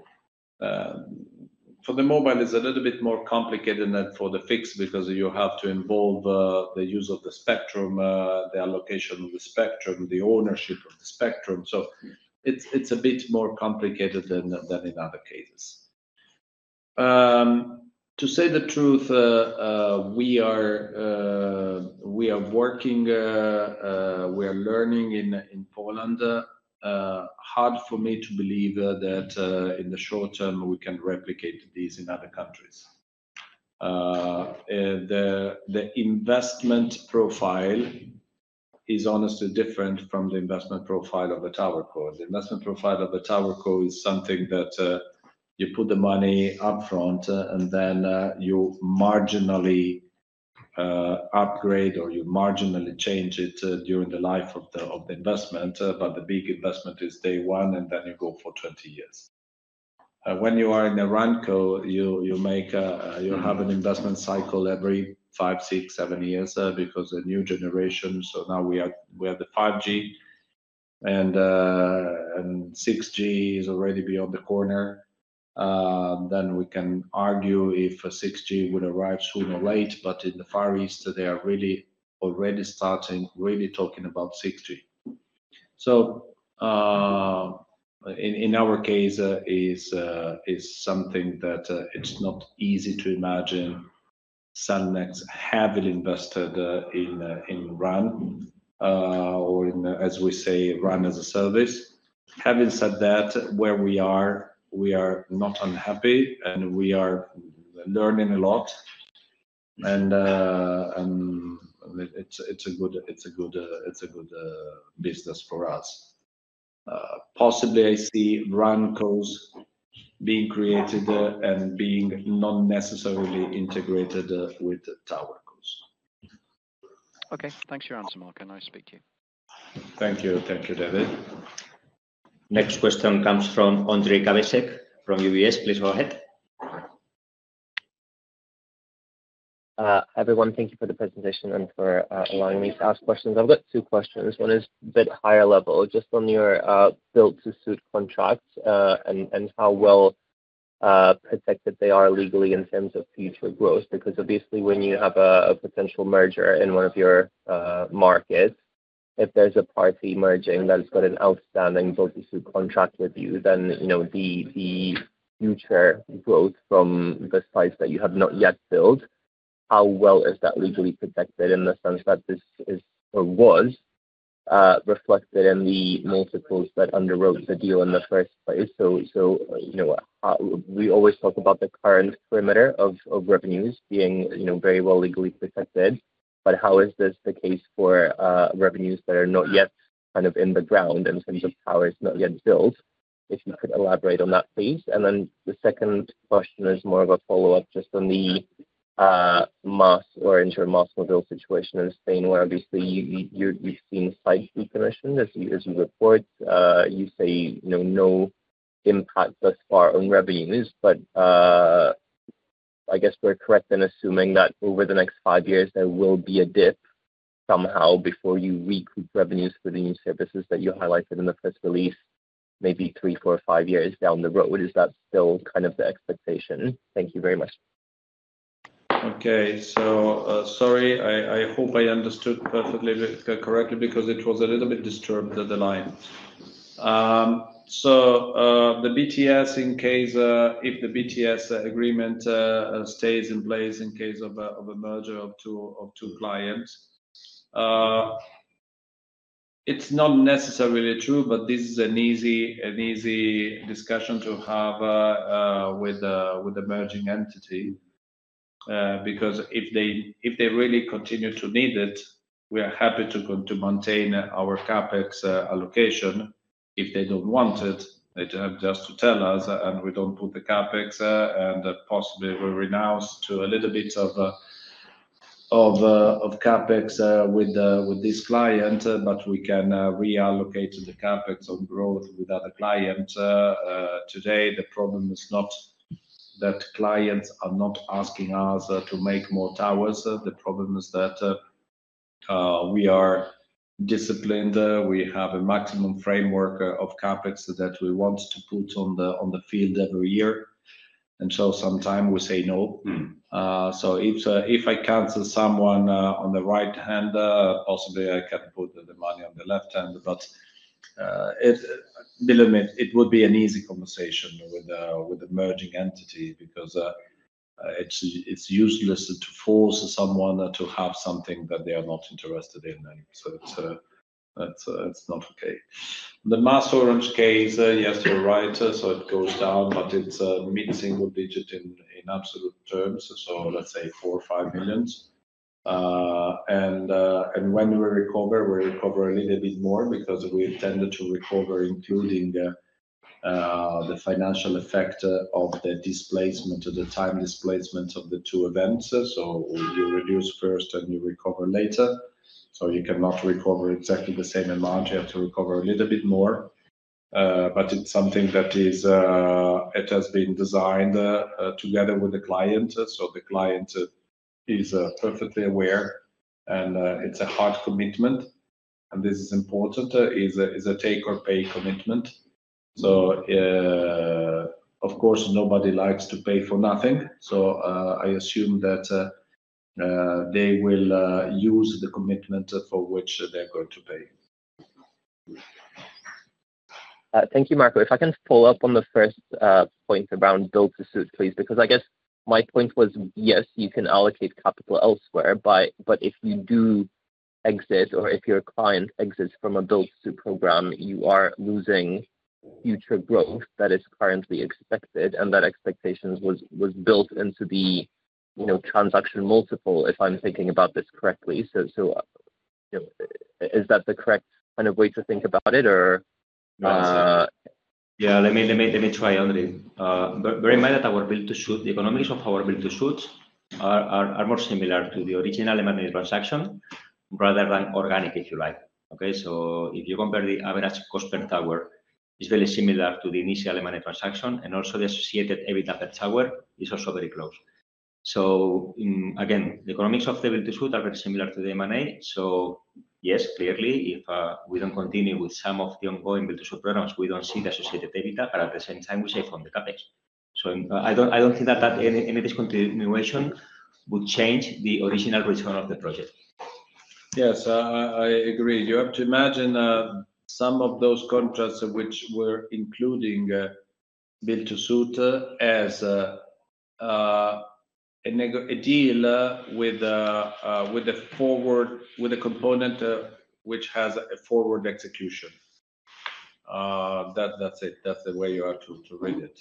[SPEAKER 2] For the mobile, it's a little bit more complicated than for the fix because you have to involve the use of the spectrum, the allocation of the spectrum, the ownership of the spectrum. It's a bit more complicated than in other cases. To say the truth, we are working. We are learning in Poland. Hard for me to believe that in the short term, we can replicate these in other countries. The investment profile is honestly different from the investment profile of the tower code. The investment profile of the tower code is something that you put the money upfront, and then you marginally upgrade or you marginally change it during the life of the investment. The big investment is day one, and then you go for 20 years. When you are in a RAN code, you have an investment cycle every five, six, seven years because of new generation. Now we have the 5G, and 6G is already beyond the corner. We can argue if 6G would arrive soon or late, but in the Far East, they are really already starting really talking about 6G. In our case, it's something that it's not easy to imagine Cellnex heavily invested in RAN or, as we say, RAN as a service. Having said that, where we are, we are not unhappy, and we are learning a lot. It is a good business for us. Possibly, I see RAN codes being created and being not necessarily integrated with tower codes.
[SPEAKER 9] Okay. Thanks for your answer, Marco. Nice to speak to you.
[SPEAKER 2] Thank you. Thank you, David.
[SPEAKER 1] Next question comes from Ondrej Cabejsek from UBS. Please go ahead.
[SPEAKER 10] Everyone, thank you for the presentation and for allowing me to ask questions. I've got two questions. One is a bit higher level, just on your build-to-suit contract and how well protected they are legally in terms of future growth. Because obviously, when you have a potential merger in one of your markets, if there's a party merging that's got an outstanding build-to-suit contract with you, then the future growth from the sites that you have not yet built, how well is that legally protected in the sense that this is or was reflected in the multiples that underwrote the deal in the first place? We always talk about the current perimeter of revenues being very well legally protected, but how is this the case for revenues that are not yet kind of in the ground in terms of towers not yet built? If you could elaborate on that piece. The second question is more of a follow-up just on the MasOrange situation in Spain, where obviously you've seen slight decommission as you report. You say no impact thus far on revenues, but I guess we're correct in assuming that over the next five years, there will be a dip somehow before you recoup revenues for the new services that you highlighted in the first release maybe three, four, five years down the road. Is that still kind of the expectation? Thank you very much.
[SPEAKER 2] Okay. Sorry, I hope I understood perfectly correctly because it was a little bit disturbed, the line. The BTS, in case the BTS agreement stays in place in case of a merger of two clients, it is not necessarily true, but this is an easy discussion to have with the merging entity because if they really continue to need it, we are happy to maintain our CapEx allocation. If they do not want it, they just have to tell us, and we do not put the CapEx and possibly we renounce to a little bit of CapEx with this client, but we can reallocate the CapEx on growth with other clients. Today, the problem is not that clients are not asking us to make more towers. The problem is that we are disciplined. We have a maximum framework of CapEx that we want to put on the field every year. Sometimes we say no. If I cancel someone on the right hand, possibly I can put the money on the left hand, but believe me, it would be an easy conversation with a merging entity because it is useless to force someone to have something that they are not interested in. It is not okay. The MasOrange case, yes, you are right. It goes down, but it is mid-single digit in absolute terms. Let's say 4 million-5 million. When we recover, we recover a little bit more because we tended to recover including the financial effect of the displacement, of the time displacement of the two events. You reduce first and you recover later. You cannot recover exactly the same amount. You have to recover a little bit more. It is something that has been designed together with the client. The client is perfectly aware, and it's a hard commitment. This is important. It's a take-or-pay commitment. Of course, nobody likes to pay for nothing. I assume that they will use the commitment for which they're going to pay.
[SPEAKER 10] Thank you, Marco. If I can follow up on the first point around build-to-suit, please, because I guess my point was, yes, you can allocate capital elsewhere, but if you do exit or if your client exits from a build-to-suit program, you are losing future growth that is currently expected, and that expectation was built into the transaction multiple if I'm thinking about this correctly. Is that the correct kind of way to think about it, or?
[SPEAKER 3] Yeah. Let me try only. Bear in mind that our build-to-suit, the economics of our build-to-suits are more similar to the original M&A transaction rather than organic, if you like. Okay? If you compare the average cost per tower, it is very similar to the initial M&A transaction, and also the associated EBITDA per tower is also very close. Again, the economics of the build-to-suit are very similar to the M&A. Yes, clearly, if we do not continue with some of the ongoing build-to-suit programs, we do not see the associated EBITDA, but at the same time, we save on the CapEx. I do not think that any discontinuation would change the original return of the project.
[SPEAKER 2] Yes, I agree. You have to imagine some of those contracts which were including build-to-suit as a deal with a component which has a forward execution. That is it. That's the way you have to read it.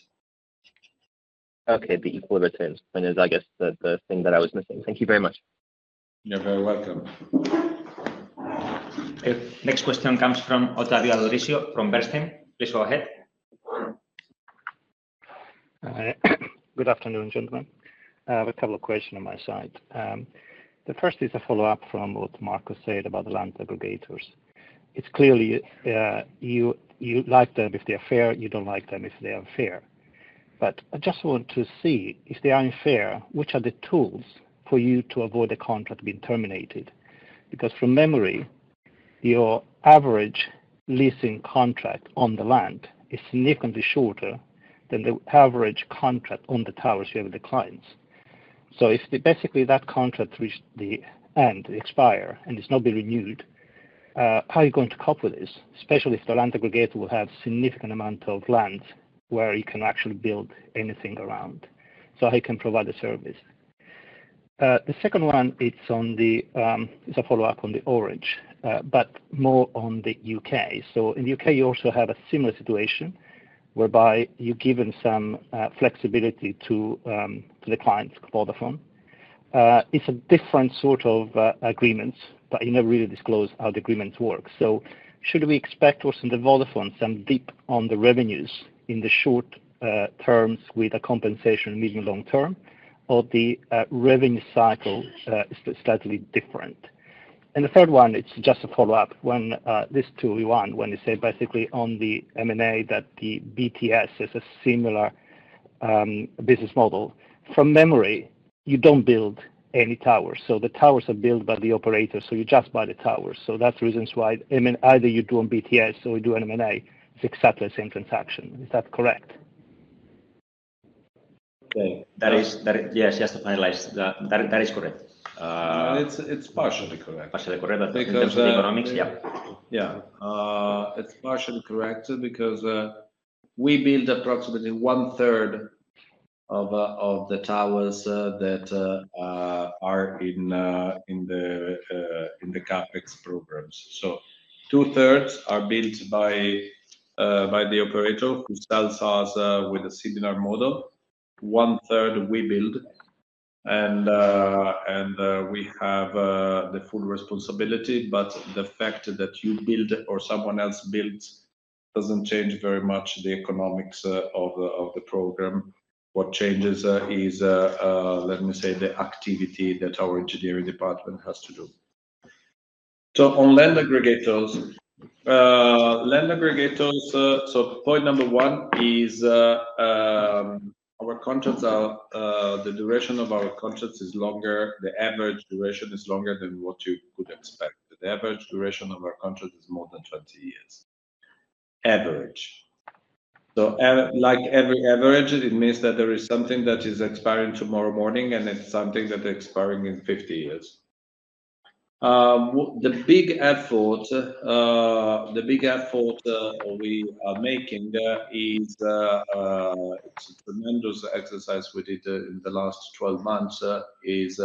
[SPEAKER 10] Okay. The equivalent terms, and it's I guess the thing that I was missing. Thank you very much.
[SPEAKER 2] You're very welcome.
[SPEAKER 1] Next question comes from Ottavio Adorisio from Bernstein. Please go ahead.
[SPEAKER 11] Good afternoon, gentlemen. I have a couple of questions on my side. The first is a follow-up from what Marco said about the land aggregators. It's clear you like them if they're fair. You don't like them if they are unfair. I just want to see if they are unfair, which are the tools for you to avoid a contract being terminated? Because from memory, your average leasing contract on the land is significantly shorter than the average contract on the towers you have with the clients. If basically that contract reaches the end, they expire, and it's not been renewed, how are you going to cope with this, especially if the land aggregator will have a significant amount of land where you can't actually build anything around so he can provide a service? The second one is a follow-up on the Orange, but more on the U.K. In the U.K., you also have a similar situation whereby you're given some flexibility to the client's Vodafone. It's a different sort of agreement, but you never really disclose how the agreement works. Should we expect what's in the Vodafone, some dip on the revenues in the short term with a compensation medium-long term, or the revenue cycle is slightly different? The third one, it's just a follow-up. When this tool we won, when you said basically on the M&A that the BTS is a similar business model, from memory, you don't build any towers. The towers are built by the operator, so you just buy the towers. That's the reason why either you do on BTS or you do on M&A, it's exactly the same transaction. Is that correct?
[SPEAKER 3] Okay. Yes, just to finalize. That is correct.
[SPEAKER 2] It's partially correct.
[SPEAKER 3] Partially correct, but in terms of the economics, yeah.
[SPEAKER 2] Yeah. It's partially correct because we build approximately one-third of the towers that are in the CapEx programs. Two-thirds are built by the operator who sells us with a similar model. One-third we build, and we have the full responsibility, but the fact that you build or someone else builds doesn't change very much the economics of the program. What changes is, let me say, the activity that our engineering department has to do. On land aggregators, land aggregators, point number one is our contracts are the duration of our contracts is longer. The average duration is longer than what you could expect. The average duration of our contracts is more than 20 years. Average. Like every average, it means that there is something that is expiring tomorrow morning, and it's something that is expiring in 50 years. The big effort we are making is it's a tremendous exercise we did in the last 12 months is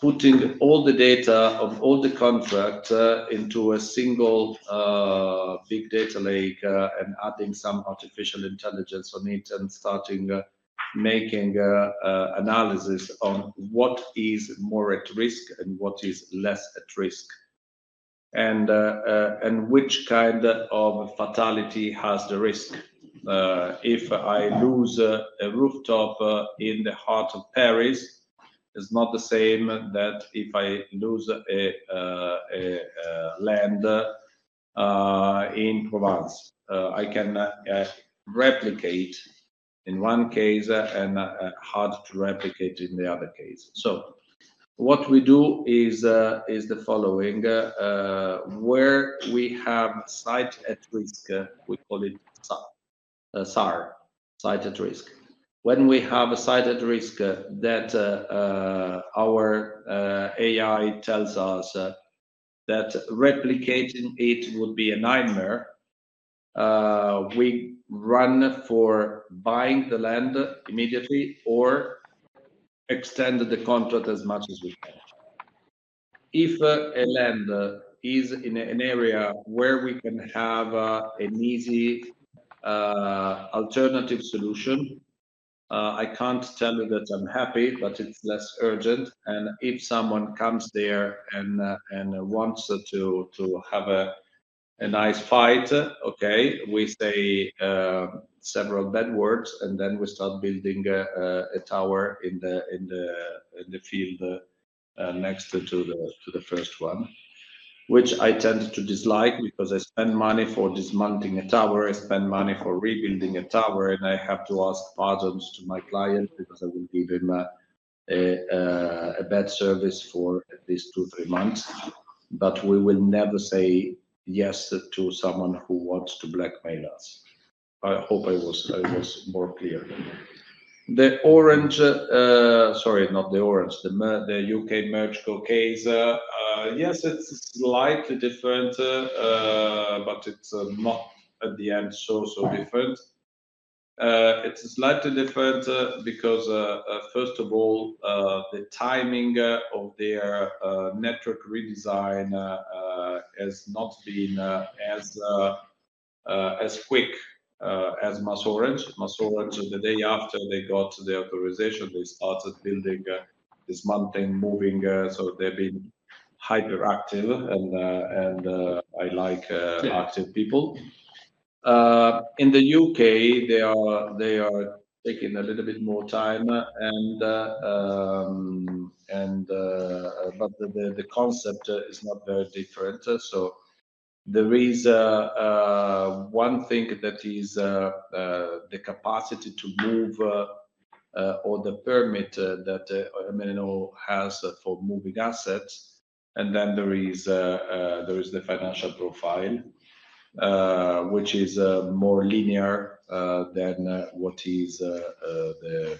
[SPEAKER 2] putting all the data of all the contracts into a single big data lake and adding some artificial intelligence on it and starting making analysis on what is more at risk and what is less at risk and which kind of fatality has the risk. If I lose a rooftop in the heart of Paris, it's not the same that if I lose a land in Provence. I can replicate in one case and hard to replicate in the other case. What we do is the following. Where we have site at risk, we call it SAR, site at risk. When we have a site at risk that our AI tells us that replicating it would be a nightmare, we run for buying the land immediately or extend the contract as much as we can. If a land is in an area where we can have an easy alternative solution, I cannot tell you that I am happy, but it is less urgent. If someone comes there and wants to have a nice fight, okay, we say several bad words, and then we start building a tower in the field next to the first one, which I tend to dislike because I spend money for dismantling a tower. I spend money for rebuilding a tower, and I have to ask pardons to my client because I will give him a bad service for at least two or three months. We will never say yes to someone who wants to blackmail us. I hope I was more clear. The orange, sorry, not the orange, the U.K. merge case, yes, it's slightly different, but it's not at the end so, so different. It's slightly different because, first of all, the timing of their network redesign has not been as quick as MasOrange. MasOrange, the day after they got the authorization, they started building, dismantling, moving. So they've been hyperactive, and I like active people. In the U.K., they are taking a little bit more time, but the concept is not very different. There is one thing that is the capacity to move or the permit that MNO has for moving assets, and then there is the financial profile, which is more linear than what is the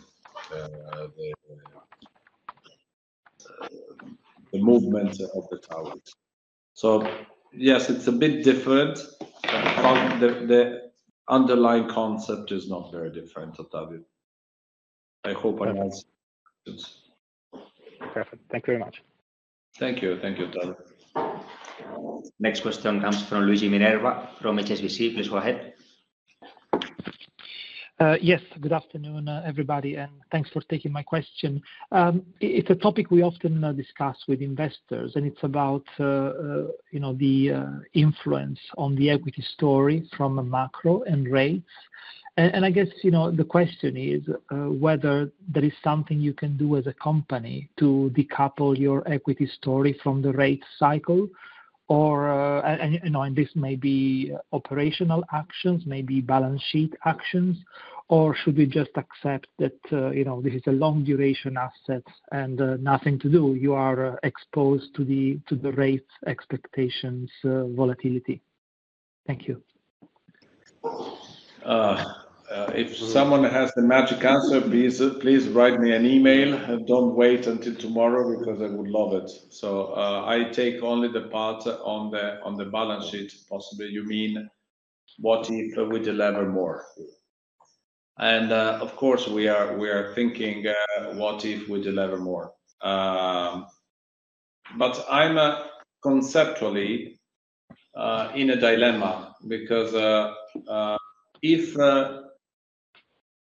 [SPEAKER 2] movement of the towers. Yes, it's a bit different. The underlying concept is not very different, Ottavio. I hope I answered your questions.
[SPEAKER 11] Perfect. Thank you very much.
[SPEAKER 2] Thank you. Thank you, Ottavio.
[SPEAKER 1] Next question comes from Luigi Minerva from HSBC. Please go ahead.
[SPEAKER 12] Yes. Good afternoon, everybody, and thanks for taking my question. It's a topic we often discuss with investors, and it's about the influence on the equity story from macro and rates. I guess the question is whether there is something you can do as a company to decouple your equity story from the rate cycle, and this may be operational actions, maybe balance sheet actions, or should we just accept that this is a long-duration asset and nothing to do? You are exposed to the rate expectations volatility. Thank you.
[SPEAKER 2] If someone has a magic answer, please write me an email. Do not wait until tomorrow because I would love it. I take only the part on the balance sheet. Possibly you mean what if we deliver more? Of course, we are thinking what if we deliver more. I am conceptually in a dilemma because if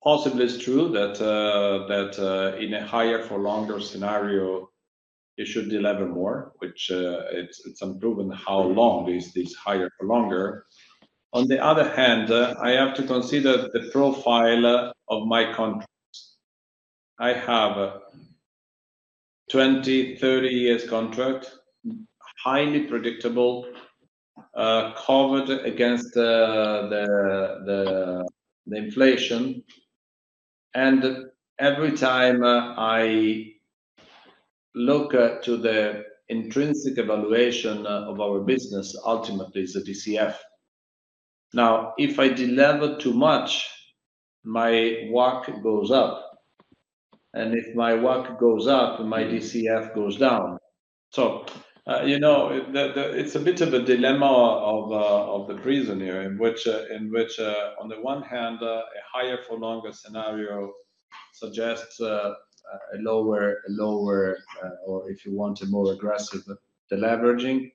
[SPEAKER 2] possibly it is true that in a higher-for-longer scenario, you should deliver more, which is unproven how long is this higher-for-longer. On the other hand, I have to consider the profile of my contracts. I have a 20, 30-year contract, highly predictable, covered against the inflation. Every time I look at the intrinsic evaluation of our business, ultimately, it is a DCF. Now, if I deliver too much, my work goes up, and if my work goes up, my DCF goes down. It is a bit of a dilemma of the prison here in which, on the one hand, a higher-for-longer scenario suggests a lower, or if you want a more aggressive leveraging.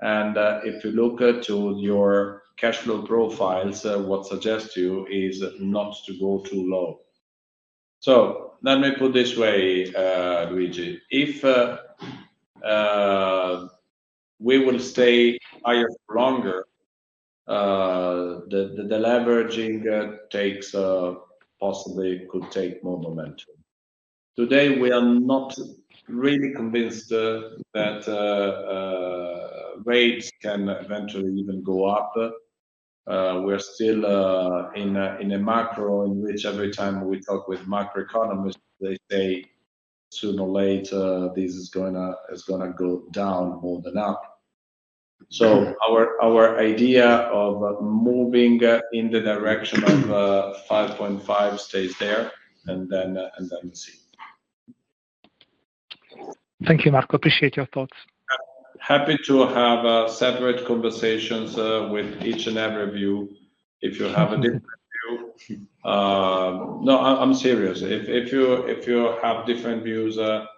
[SPEAKER 2] If you look at your cash flow profiles, what suggests to you is not to go too low. Let me put it this way, Luigi. If we will stay higher-for-longer, the leveraging possibly could take more momentum. Today, we are not really convinced that rates can eventually even go up. We are still in a macro in which every time we talk with macroeconomists, they say sooner or later this is going to go down more than up. Our idea of moving in the direction of 5.5 stays there, and then we will see.
[SPEAKER 12] Thank you, Marco. Appreciate your thoughts.
[SPEAKER 2] Happy to have separate conversations with each and every of you if you have a different view. No, I'm serious. If you have different views, there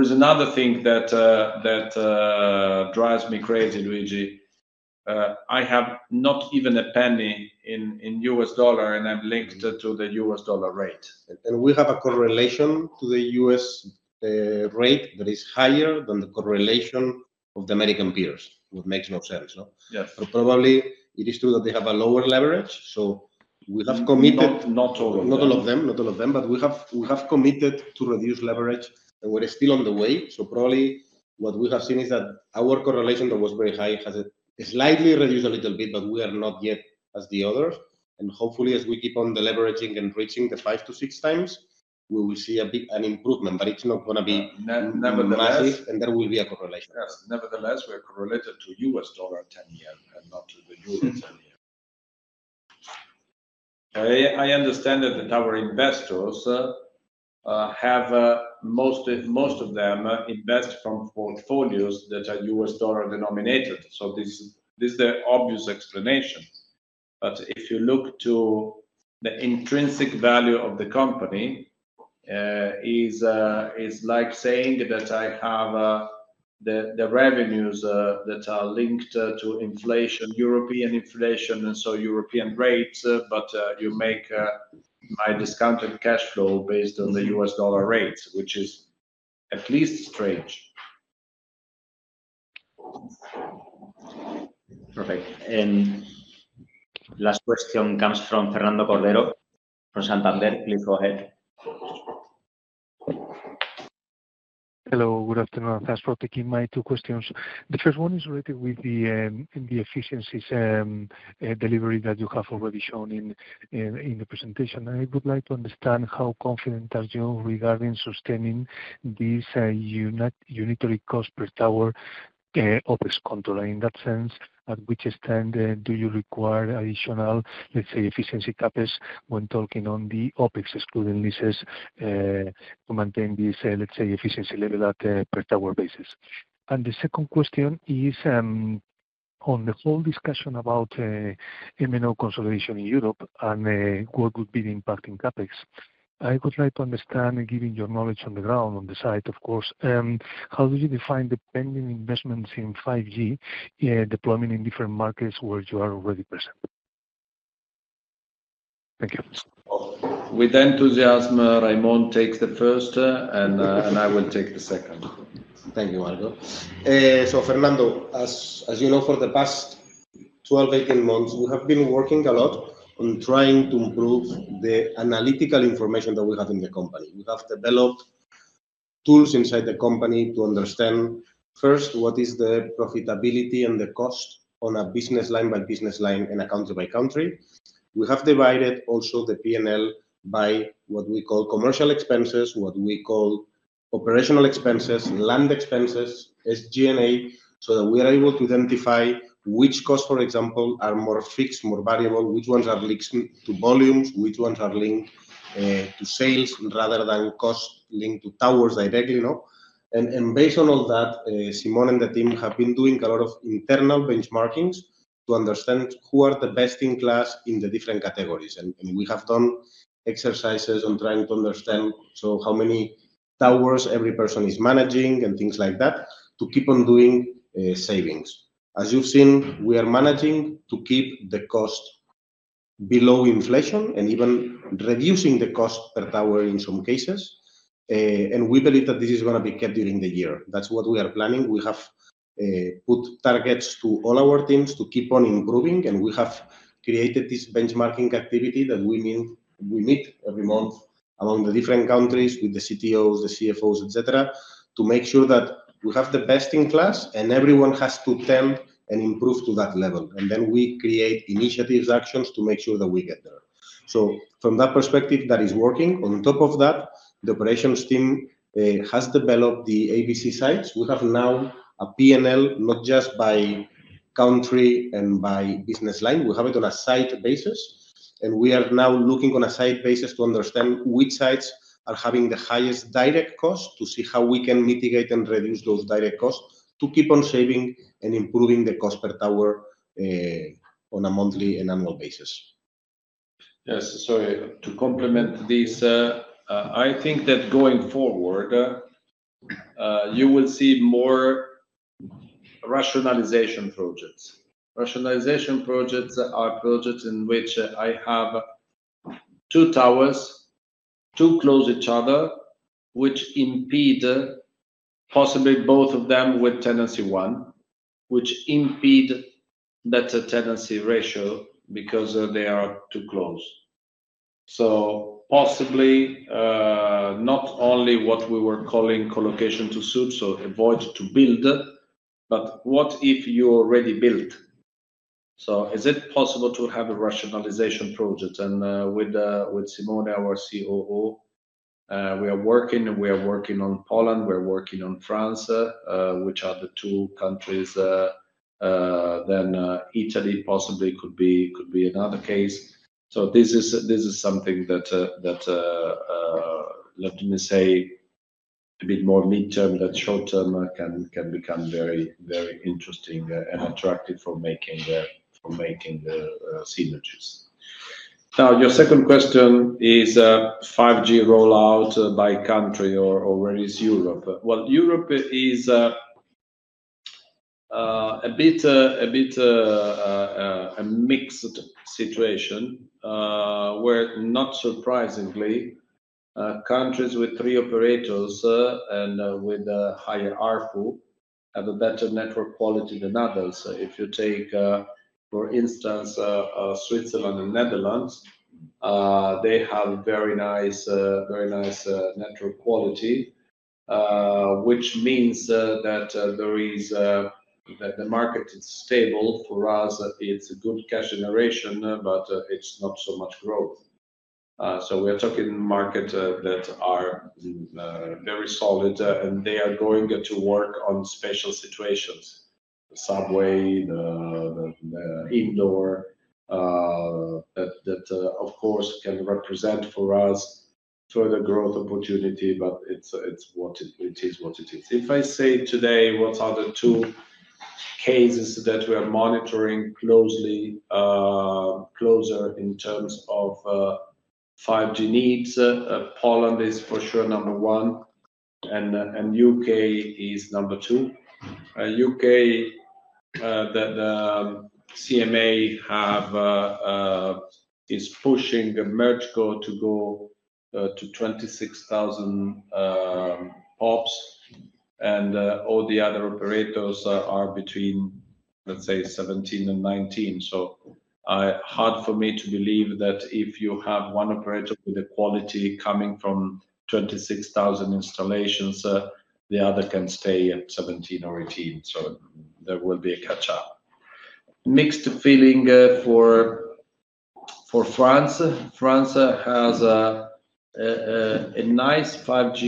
[SPEAKER 2] is another thing that drives me crazy, Luigi. I have not even a penny in US dollar, and I'm linked to the US dollar rate.
[SPEAKER 3] We have a correlation to the U.S. rate that is higher than the correlation of the American peers, which makes no sense, no?
[SPEAKER 2] Yes.
[SPEAKER 3] Probably it is true that they have a lower leverage, so we have committed.
[SPEAKER 2] Not all of them.
[SPEAKER 3] Not all of them. Not all of them. We have committed to reduce leverage, and we're still on the way. Probably what we have seen is that our correlation that was very high has slightly reduced a little bit, but we are not yet as the others. Hopefully, as we keep on deleveraging and reaching the five to six times, we will see an improvement, but it's not going to be massive, and there will be a correlation.
[SPEAKER 2] Yes. Nevertheless, we are correlated to US dollar 10-year and not to the euro 10-year. I understand that our investors, most of them, invest from portfolios that are US dollar denominated. This is the obvious explanation. If you look to the intrinsic value of the company, it's like saying that I have the revenues that are linked to inflation, European inflation, and so European rates, but you make my discounted cash flow based on the US dollar rates, which is at least strange. Perfect. Last question comes from Fernando Cordero from Santander. Please go ahead.
[SPEAKER 13] Hello. Good afternoon. Thanks for taking my two questions. The first one is related with the efficiencies delivery that you have already shown in the presentation. I would like to understand how confident are you regarding sustaining this unitary cost per tower OPEX control? In that sense, to which extent do you require additional, let's say, efficiency caps when talking on the OPEX-excluded leases to maintain this, let's say, efficiency level at a per tower basis? The second question is, on the whole discussion about MNO consolidation in Europe and what would be the impact in CapEx, I would like to understand, given your knowledge on the ground, on the side, of course, how do you define the pending investments in 5G deployment in different markets where you are already present? Thank you.
[SPEAKER 2] With enthusiasm, Raimon takes the first, and I will take the second.
[SPEAKER 3] Thank you, Marco. Fernando, as you know, for the past 12-18 months, we have been working a lot on trying to improve the analytical information that we have in the company. We have developed tools inside the company to understand, first, what is the profitability and the cost on a business line by business line and a country by country. We have divided also the P&L by what we call commercial expenses, what we call operational expenses, land expenses, SG&A, so that we are able to identify which costs, for example, are more fixed, more variable, which ones are linked to volumes, which ones are linked to sales rather than costs linked to towers directly. Based on all that, Simone and the team have been doing a lot of internal benchmarkings to understand who are the best in class in the different categories. We have done exercises on trying to understand how many towers every person is managing and things like that to keep on doing savings. As you have seen, we are managing to keep the cost below inflation and even reducing the cost per tower in some cases. We believe that this is going to be kept during the year. That is what we are planning. We have put targets to all our teams to keep on improving, and we have created this benchmarking activity that we meet every month among the different countries with the CTOs, the CFOs, etc., to make sure that we have the best in class, and everyone has to tend and improve to that level. We create initiatives, actions to make sure that we get there. From that perspective, that is working. On top of that, the operations team has developed the ABC sites. We have now a P&L not just by country and by business line. We have it on a site basis, and we are now looking on a site basis to understand which sites are having the highest direct cost to see how we can mitigate and reduce those direct costs to keep on saving and improving the cost per tower on a monthly and annual basis.
[SPEAKER 2] Yes. To complement this, I think that going forward, you will see more rationalization projects. Rationalization projects are projects in which I have two towers too close to each other, which impede possibly both of them with tenancy one, which impede that tenancy ratio because they are too close. Possibly not only what we were calling colocation to suit, to avoid to build, but what if you already built? Is it possible to have a rationalization project? With Simone, our COO, we are working. We are working on Poland. We are working on France, which are the two countries. Italy possibly could be another case. This is something that, let me say, a bit more midterm, but short-term can become very interesting and attractive for making the synergies. Now, your second question is 5G rollout by country or where is Europe? Europe is a bit of a mixed situation where, not surprisingly, countries with three operators and with a higher RFU have a better network quality than others. If you take, for instance, Switzerland and Netherlands, they have very nice network quality, which means that the market is stable. For us, it is a good cash generation, but it is not so much growth. We are talking markets that are very solid, and they are going to work on special situations, the subway, the indoor, that, of course, can represent for us further growth opportunity, but it is what it is. If I say today, what are the two cases that we are monitoring closer in terms of 5G needs? Poland is for sure number one, and the U.K. is number two. U.K., the CMA is pushing the merger to go to 26,000 ops, and all the other operators are between, let's say, 17 and 19. Hard for me to believe that if you have one operator with a quality coming from 26,000 installations, the others can stay at 17 or 18. There will be a catch-up. Mixed feeling for France. France has a nice 5G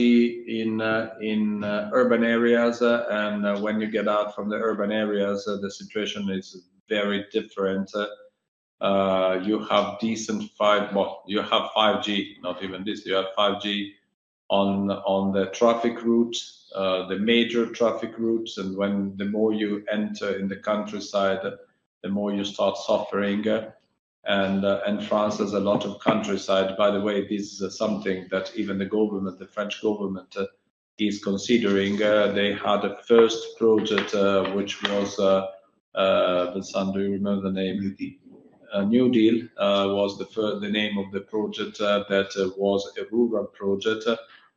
[SPEAKER 2] in urban areas, and when you get out from the urban areas, the situation is very different. You have decent 5G, not even this. You have 5G on the traffic routes, the major traffic routes. The more you enter in the countryside, the more you start suffering. France has a lot of countryside. By the way, this is something that even the government, the French government, is considering. They had a first project, which was the Sande, you remember the name? New Deal. New Deal was the name of the project that was a rural project,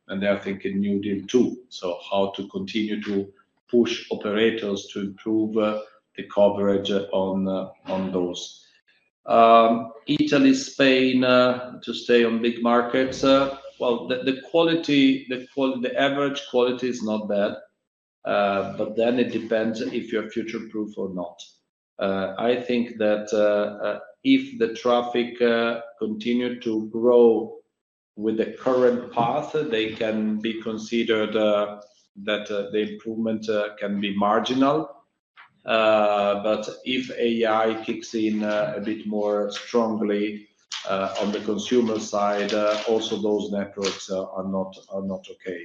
[SPEAKER 2] and they are thinking New Deal 2. How to continue to push operators to improve the coverage on those. Italy, Spain, to stay on big markets. The average quality is not bad, but then it depends if you are future-proof or not. I think that if the traffic continued to grow with the current path, they can be considered that the improvement can be marginal. If AI kicks in a bit more strongly on the consumer side, also those networks are not okay.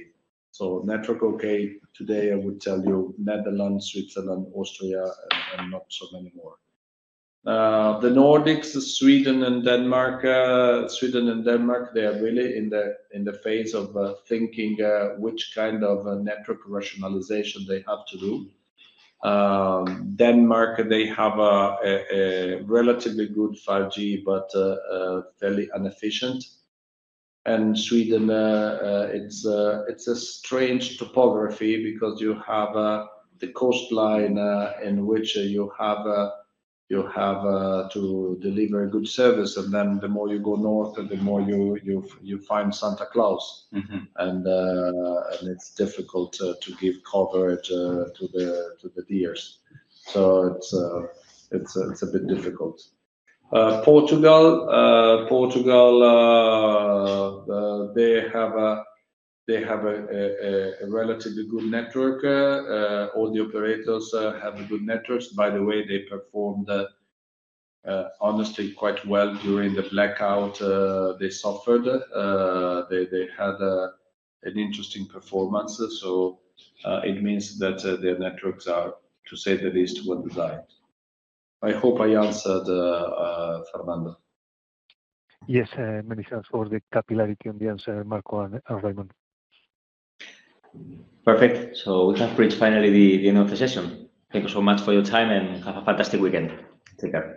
[SPEAKER 2] Network okay today, I would tell you, Netherlands, Switzerland, Austria, and not so many more. The Nordics, Sweden and Denmark, Sweden and Denmark, they are really in the phase of thinking which kind of network rationalization they have to do. Denmark, they have a relatively good 5G, but fairly inefficient. Sweden, it is a strange topography because you have the coastline in which you have to deliver a good service, and then the more you go north, the more you find Santa Claus, and it is difficult to give coverage to the deers. It is a bit difficult. Portugal, they have a relatively good network. All the operators have good networks. By the way, they performed, honestly, quite well during the blackout. They suffered. They had an interesting performance. It means that their networks are, to say the least, well designed. I hope I answered, Fernando.
[SPEAKER 13] Yes, many thanks for the capillarity on the answer, Marco and Raimon.
[SPEAKER 1] Perfect. We can finish finally the end of the session. Thank you so much for your time, and have a fantastic weekend. Take care.